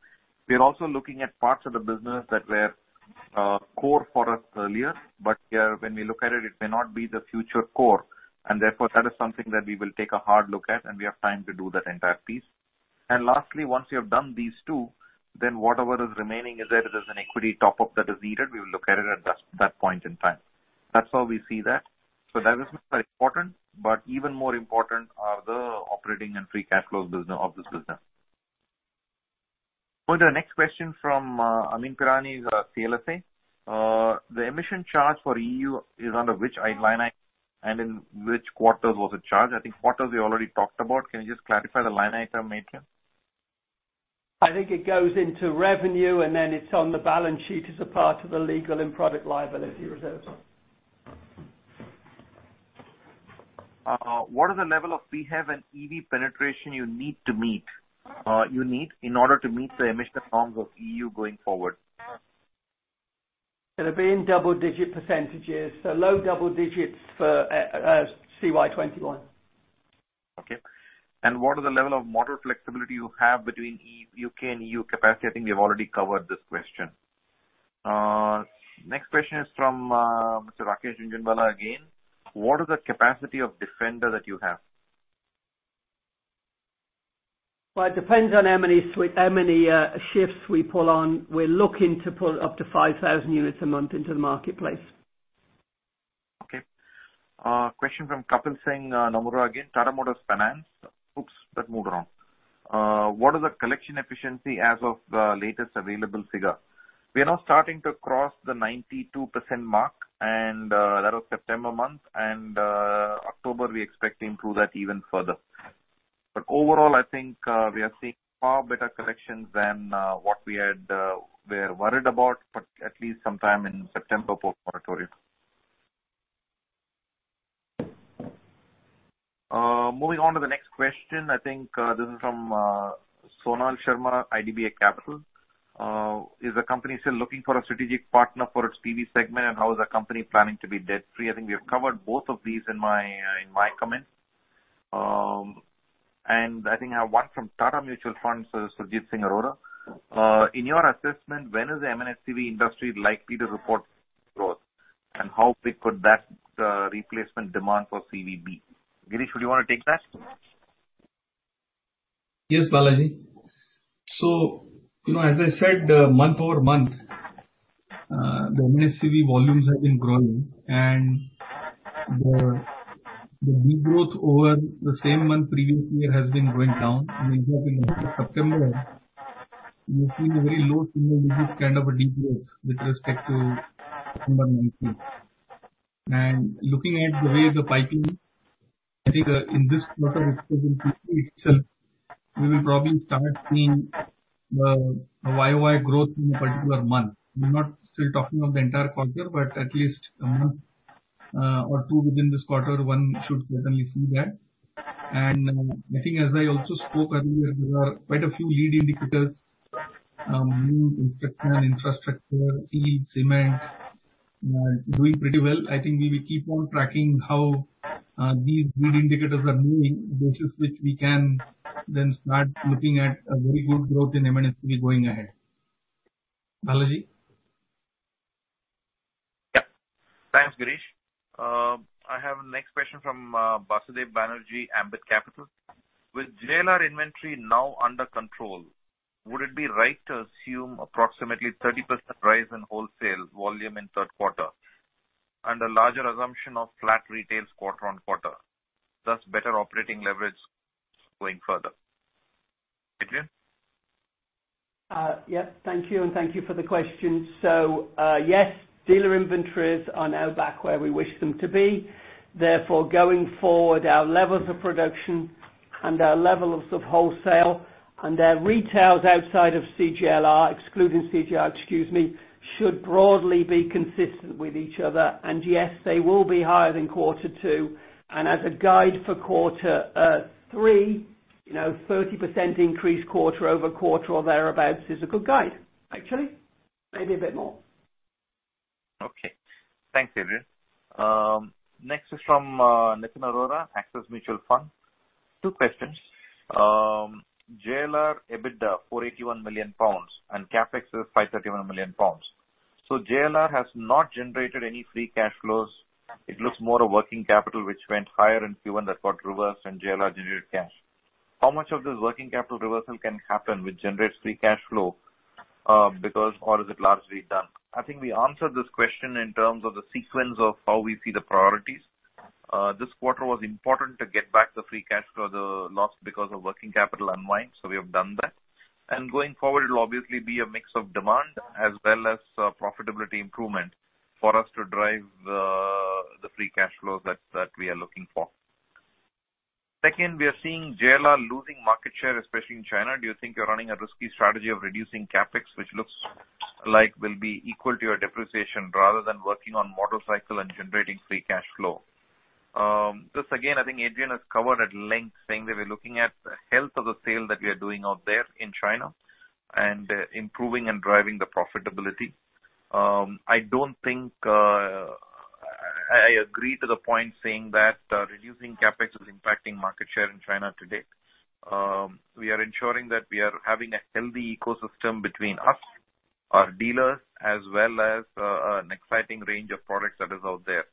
We are also looking at parts of the business that were core for us earlier, but when we look at it may not be the future core, and therefore that is something that we will take a hard look at, and we have time to do that entire piece. Lastly, once we have done these two, then whatever is remaining is that it is an equity top-up that is needed. We will look at it at that point in time. That's how we see that. Divestments are important, but even more important are the operating and free cash flows of this business. Further, next question from Amyn Pirani, CLSA. The emission charge for EU is under which line item, and in which quarters was it charged? I think quarters we already talked about. Can you just clarify the line item made here? I think it goes into revenue, and then it's on the balance sheet as a part of the legal and product liability reserves. What is the level of PHEV and EV penetration you need in order to meet the emission norms of EU going forward? It'll be in double digit percentages, so low double digits for CY 2021. Okay. What is the level of model flexibility you have between U.K. and E.U. capacity? I think we have already covered this question. Next question is from Mr. Rakesh Jhunjhunwala again. What is the capacity of Defender that you have? Well, it depends on how many shifts we pull on. We're looking to pull up to 5,000 units a month into the marketplace. Okay. Question from Kapil Singh, Nomura again, Tata Motors Finance. Oops, that moved around. What is the collection efficiency as of the latest available figure? We are now starting to cross the 92% mark. That was September month. October, we expect to improve that even further. Overall, I think we are seeing far better collections than what we were worried about, but at least sometime in September post-moratorium. Moving on to the next question. I think this is from Sunil Sharma, IDBI Capital. Is the company still looking for a strategic partner for its CV segment? How is the company planning to be debt-free? I think we have covered both of these in my comments. I think I have one from Tata Mutual Fund, Surjit Singh Arora. In your assessment, when is the M&HCV industry likely to report growth, and how big could that replacement demand for CV be? Girish, would you want to take that? Yes, Balaji. As I said, month-over-month, the M&HCV volumes have been growing, and the de-growth over the same month previous year has been going down. In the month of September, we have seen a very low single-digit kind of a de-growth with respect to September 2019. Looking at the way the pipeline, I think in this quarter itself, we will probably start seeing a YoY growth in a particular month. I am not still talking of the entire quarter, but at least a month or two within this quarter, one should certainly see that. I think as I also spoke earlier, there are quite a few lead indicators, new construction, infrastructure, cement are doing pretty well. I think we will keep on tracking how these lead indicators are moving, basis which we can then start looking at a very good growth in M&HCV going ahead. Balaji? Yeah. Thanks, Girish. I have the next question from Basudeb Banerjee, Ambit Capital. With JLR inventory now under control, would it be right to assume approximately 30% rise in wholesale volume in third quarter, under larger assumption of flat retails quarter on quarter, thus better operating leverage going further? Adrian? Yes. Thank you, thank you for the question. Yes, dealer inventories are now back where we wish them to be. Therefore, going forward, our levels of production and our levels of wholesale and our retails outside of CJLR, excluding CJLR, excuse me, should broadly be consistent with each other. Yes, they will be higher than quarter two, and as a guide for quarter three, 30% increase quarter-over-quarter or thereabout is a good guide, actually. Maybe a bit more. Okay. Thanks, Adrian. Next is from Nitin Arora, Axis Mutual Fund. Two questions. JLR EBITDA, 481 million pounds, and CapEx is 531 million pounds. JLR has not generated any free cash flows. It looks more a working capital which went higher in Q1 that got reversed and JLR generated cash. How much of this working capital reversal can happen, which generates free cash flow, because, or is it largely done? I think we answered this question in terms of the sequence of how we see the priorities. This quarter was important to get back the free cash flow, the loss because of working capital unwind. We have done that. Going forward, it'll obviously be a mix of demand as well as profitability improvement for us to drive the free cash flows that we are looking for. Second, we are seeing JLR losing market share, especially in China. Do you think you are running a risky strategy of reducing CapEx, which looks like will be equal to your depreciation rather than working on model cycle and generating free cash flow? This, again, I think Adrian has covered at length, saying that we are looking at the health of the sale that we are doing out there in China and improving and driving the profitability. I agree to the point saying that reducing CapEx is impacting market share in China today. We are ensuring that we are having a healthy ecosystem between us, our dealers, as well as an exciting range of products that is out there.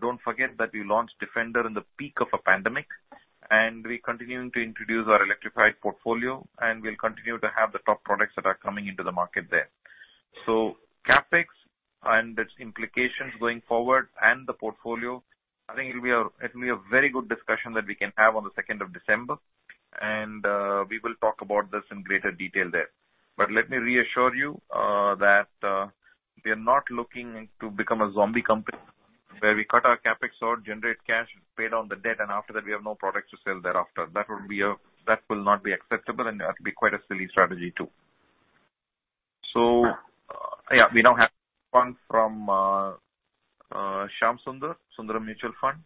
Don't forget that we launched Defender in the peak of a pandemic, and we are continuing to introduce our electrified portfolio, and we will continue to have the top products that are coming into the market there. CapEx and its implications going forward and the portfolio, I think it will be a very good discussion that we can have on the 2nd of December. We will talk about this in greater detail there. Let me reassure you that we are not looking to become a zombie company where we cut our CapEx out, generate cash, pay down the debt, and after that, we have no products to sell thereafter. That will not be acceptable and that'd be quite a silly strategy, too. Yeah. We now have one from Shyamsundar, Sundaram Mutual Fund.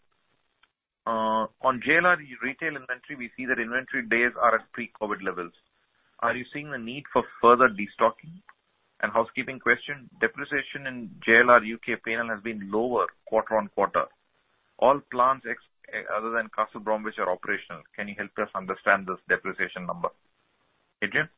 On JLR retail inventory, we see that inventory days are at pre-COVID levels. Are you seeing the need for further destocking? Housekeeping question, depreciation in JLR U.K. P&L has been lower quarter-on-quarter. All plants other than Castle Bromwich are operational. Can you help us understand this depreciation number, Adrian?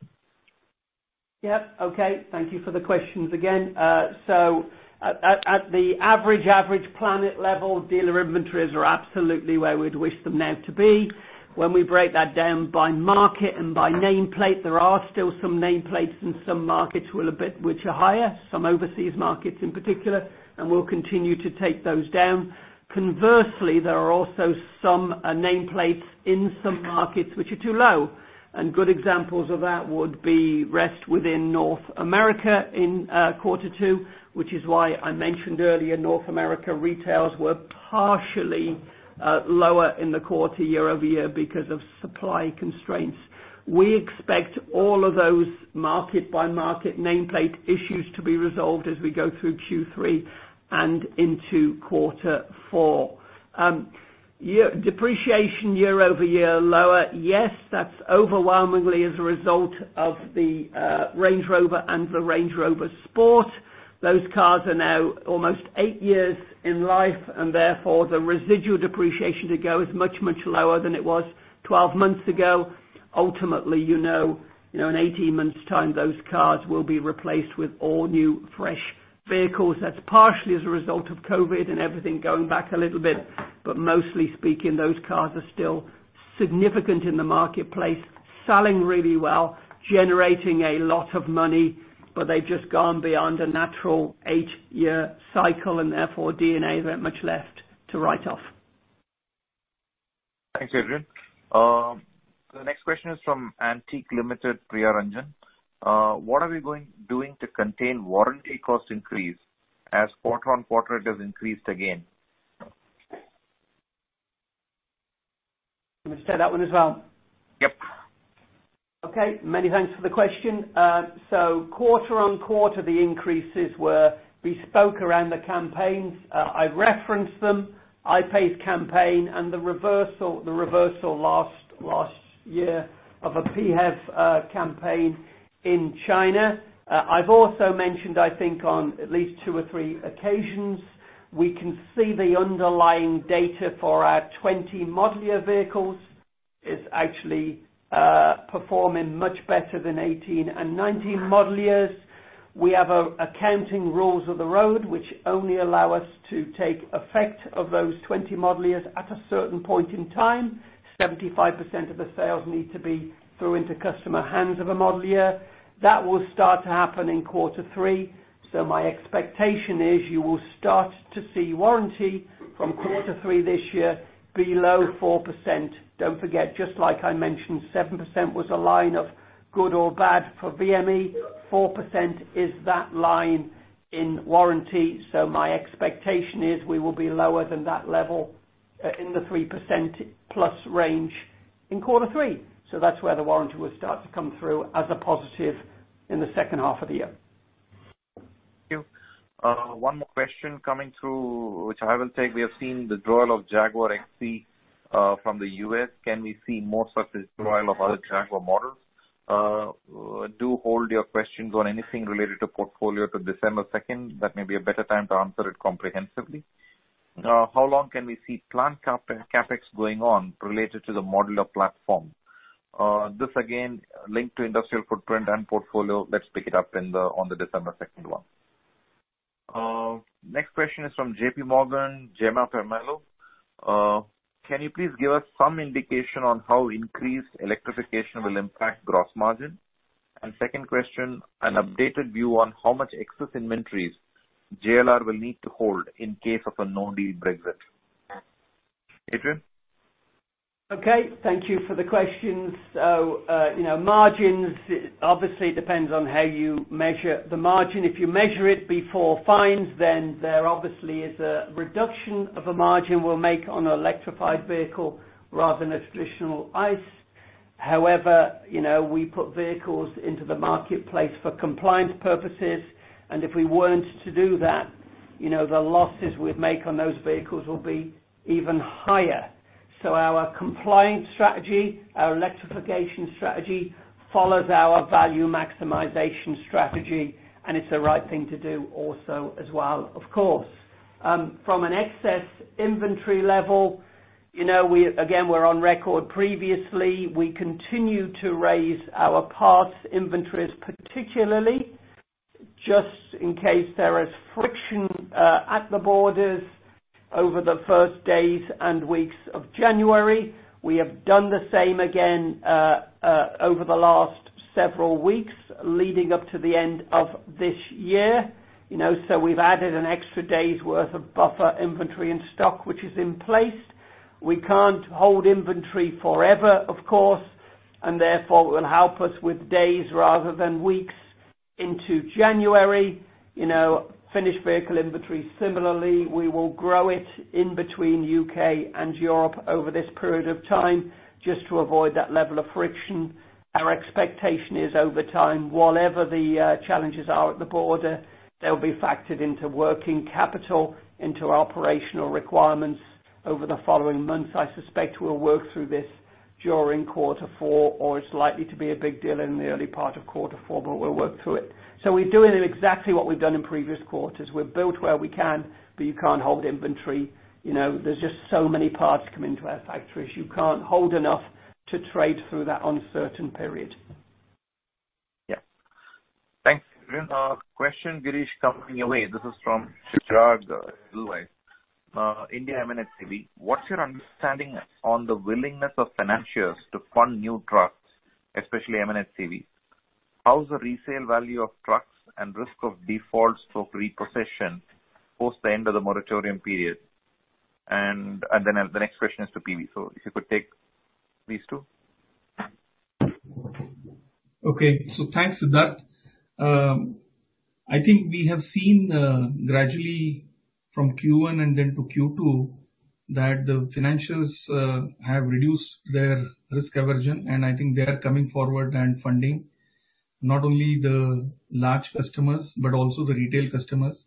Yep. Okay. Thank you for the questions again. At the average plant level, dealer inventories are absolutely where we'd wish them now to be. When we break that down by market and by nameplate, there are still some nameplates and some markets which are higher, some overseas markets in particular, and we will continue to take those down. Conversely, there are also some nameplates in some markets which are too low, and good examples of that would be RRS within North America in quarter two, which is why I mentioned earlier, North America retails were partially lower in the quarter year-over-year because of supply constraints. We expect all of those market-by-market nameplate issues to be resolved as we go through Q3 and into quarter four. Depreciation year-over-year lower, yes, that is overwhelmingly as a result of the Range Rover and the Range Rover Sport. Those cars are now almost eight years in life, and therefore, the residual depreciation to go is much, much lower than it was 12 months ago. Ultimately, in 18 months' time, those cars will be replaced with all-new, fresh vehicles. That's partially as a result of COVID and everything going back a little bit, but mostly speaking, those cars are still significant in the marketplace, selling really well, generating a lot of money, but they've just gone beyond a natural eight-year cycle, and therefore D&A, they're much left to write off. Thanks, Adrian. The next question is from Antique Limited, Priya Ranjan. What are we doing to contain warranty cost increase, as quarter-on-quarter it has increased again? Who said that one as well? Yep Okay, many thanks for the question. Quarter-on-quarter, the increases were bespoke around the campaigns. I referenced them, Jaguar I-PACE campaign and the reversal last year of a PHEV campaign in China. I have also mentioned, I think on at least two or three occasions, we can see the underlying data for our 2020 model year vehicles is actually performing much better than 2018 and 2019 model years. We have accounting rules of the road, which only allow us to take effect of those 2020 model years at a certain point in time. 75% of the sales need to be through into customer hands of a model year. That will start to happen in quarter three. My expectation is you will start to see warranty from quarter three this year below 4%. Don't forget, just like I mentioned, 7% was a line of good or bad for VME, 4% is that line in warranty. My expectation is we will be lower than that level, in the 3% plus range in quarter three. That's where the warranty will start to come through as a positive in the second half of the year. Thank you. One more question coming through, which I will take. We have seen the withdrawal of Jaguar XE from the U.S., can we see more such as withdrawal of other Jaguar models? Do hold your questions on anything related to portfolio to December 2nd. That may be a better time to answer it comprehensively. How long can we see plant CapEx going on related to the modular platform? This again, linked to industrial footprint and portfolio. Let's pick it up on the December 2nd one. Next question is from JPMorgan, Jemma Permalloo. Can you please give us some indication on how increased electrification will impact gross margin? Second question, an updated view on how much excess inventories JLR will need to hold in case of a no-deal Brexit. Adrian? Thank you for the questions. Margins, obviously depends on how you measure the margin. If you measure it before fines, there obviously is a reduction of a margin we'll make on an electrified vehicle rather than a traditional ICE. However, we put vehicles into the marketplace for compliance purposes, and if we weren't to do that, the losses we'd make on those vehicles will be even higher. Our compliance strategy, our electrification strategy, follows our value maximization strategy, and it's the right thing to do also as well, of course. From an excess inventory level, again, we're on record previously, we continue to raise our parts inventories, particularly just in case there is friction at the borders over the first days and weeks of January. We have done the same again over the last several weeks leading up to the end of this year. We've added an extra day's worth of buffer inventory and stock, which is in place. We can't hold inventory forever, of course, and therefore, will help us with days rather than weeks into January. Finished vehicle inventory, similarly, we will grow it in between U.K. and Europe over this period of time just to avoid that level of friction. Our expectation is over time, whatever the challenges are at the border, they will be factored into working capital, into operational requirements over the following months. I suspect we'll work through this during quarter four, or it's likely to be a big deal in the early part of quarter four, but we'll work through it. We're doing exactly what we've done in previous quarters. We've built where we can, but you can't hold inventory. There's just so many parts come into our factories. You can't hold enough to trade through that uncertain period. Yeah. Thanks, Adrian. Question, Girish, coming your way. This is from Siddharth, India M&HCV. What's your understanding on the willingness of financials to fund new trucks, especially M&HCV? How's the resale value of trucks and risk of defaults of repossession post the end of the moratorium period? The next question is to PV. If you could take these two. Okay, thanks Siddharth. I think we have seen gradually from Q1 and then to Q2 that the financials have reduced their risk aversion, and I think they are coming forward and funding not only the large customers but also the retail customers.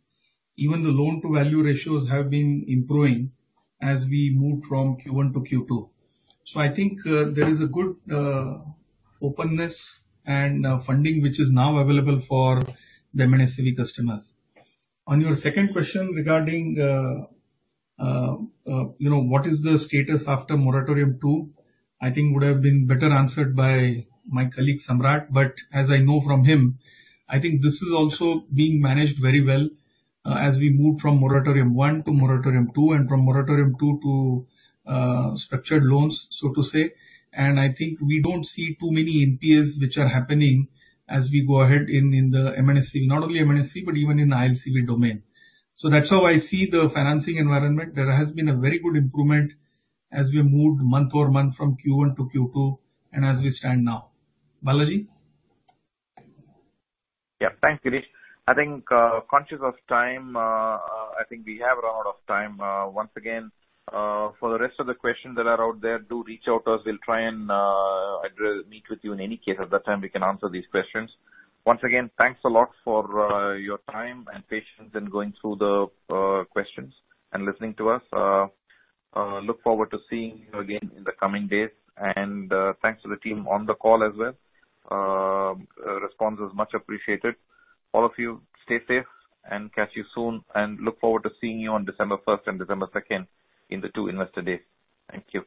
Even the loan-to-value ratios have been improving as we moved from Q1-Q2. I think there is a good openness and funding which is now available for the M&HCV customers. On your second question regarding what is the status after Moratorium 2, I think would have been better answered by my colleague Samrat, but as I know from him, I think this is also being managed very well as we move from Moratorium 1 to Moratorium 2 and from Moratorium 2 to structured loans, so to say. I think we don't see too many NPAs which are happening as we go ahead in the M&HCV. Not only M&HCV, but even in the ILCV domain. That's how I see the financing environment. There has been a very good improvement as we moved month-over-month from Q1-Q2, and as we stand now. Balaji? Yeah. Thanks, Girish. I think conscious of time, I think we have run out of time. Once again, for the rest of the questions that are out there, do reach out to us. We'll try and meet with you in any case. At that time, we can answer these questions. Once again, thanks a lot for your time and patience in going through the questions and listening to us. Look forward to seeing you again in the coming days. Thanks to the team on the call as well. Response is much appreciated. All of you stay safe and catch you soon, and look forward to seeing you on December 1st and December 2nd in the two Investor Days. Thank you.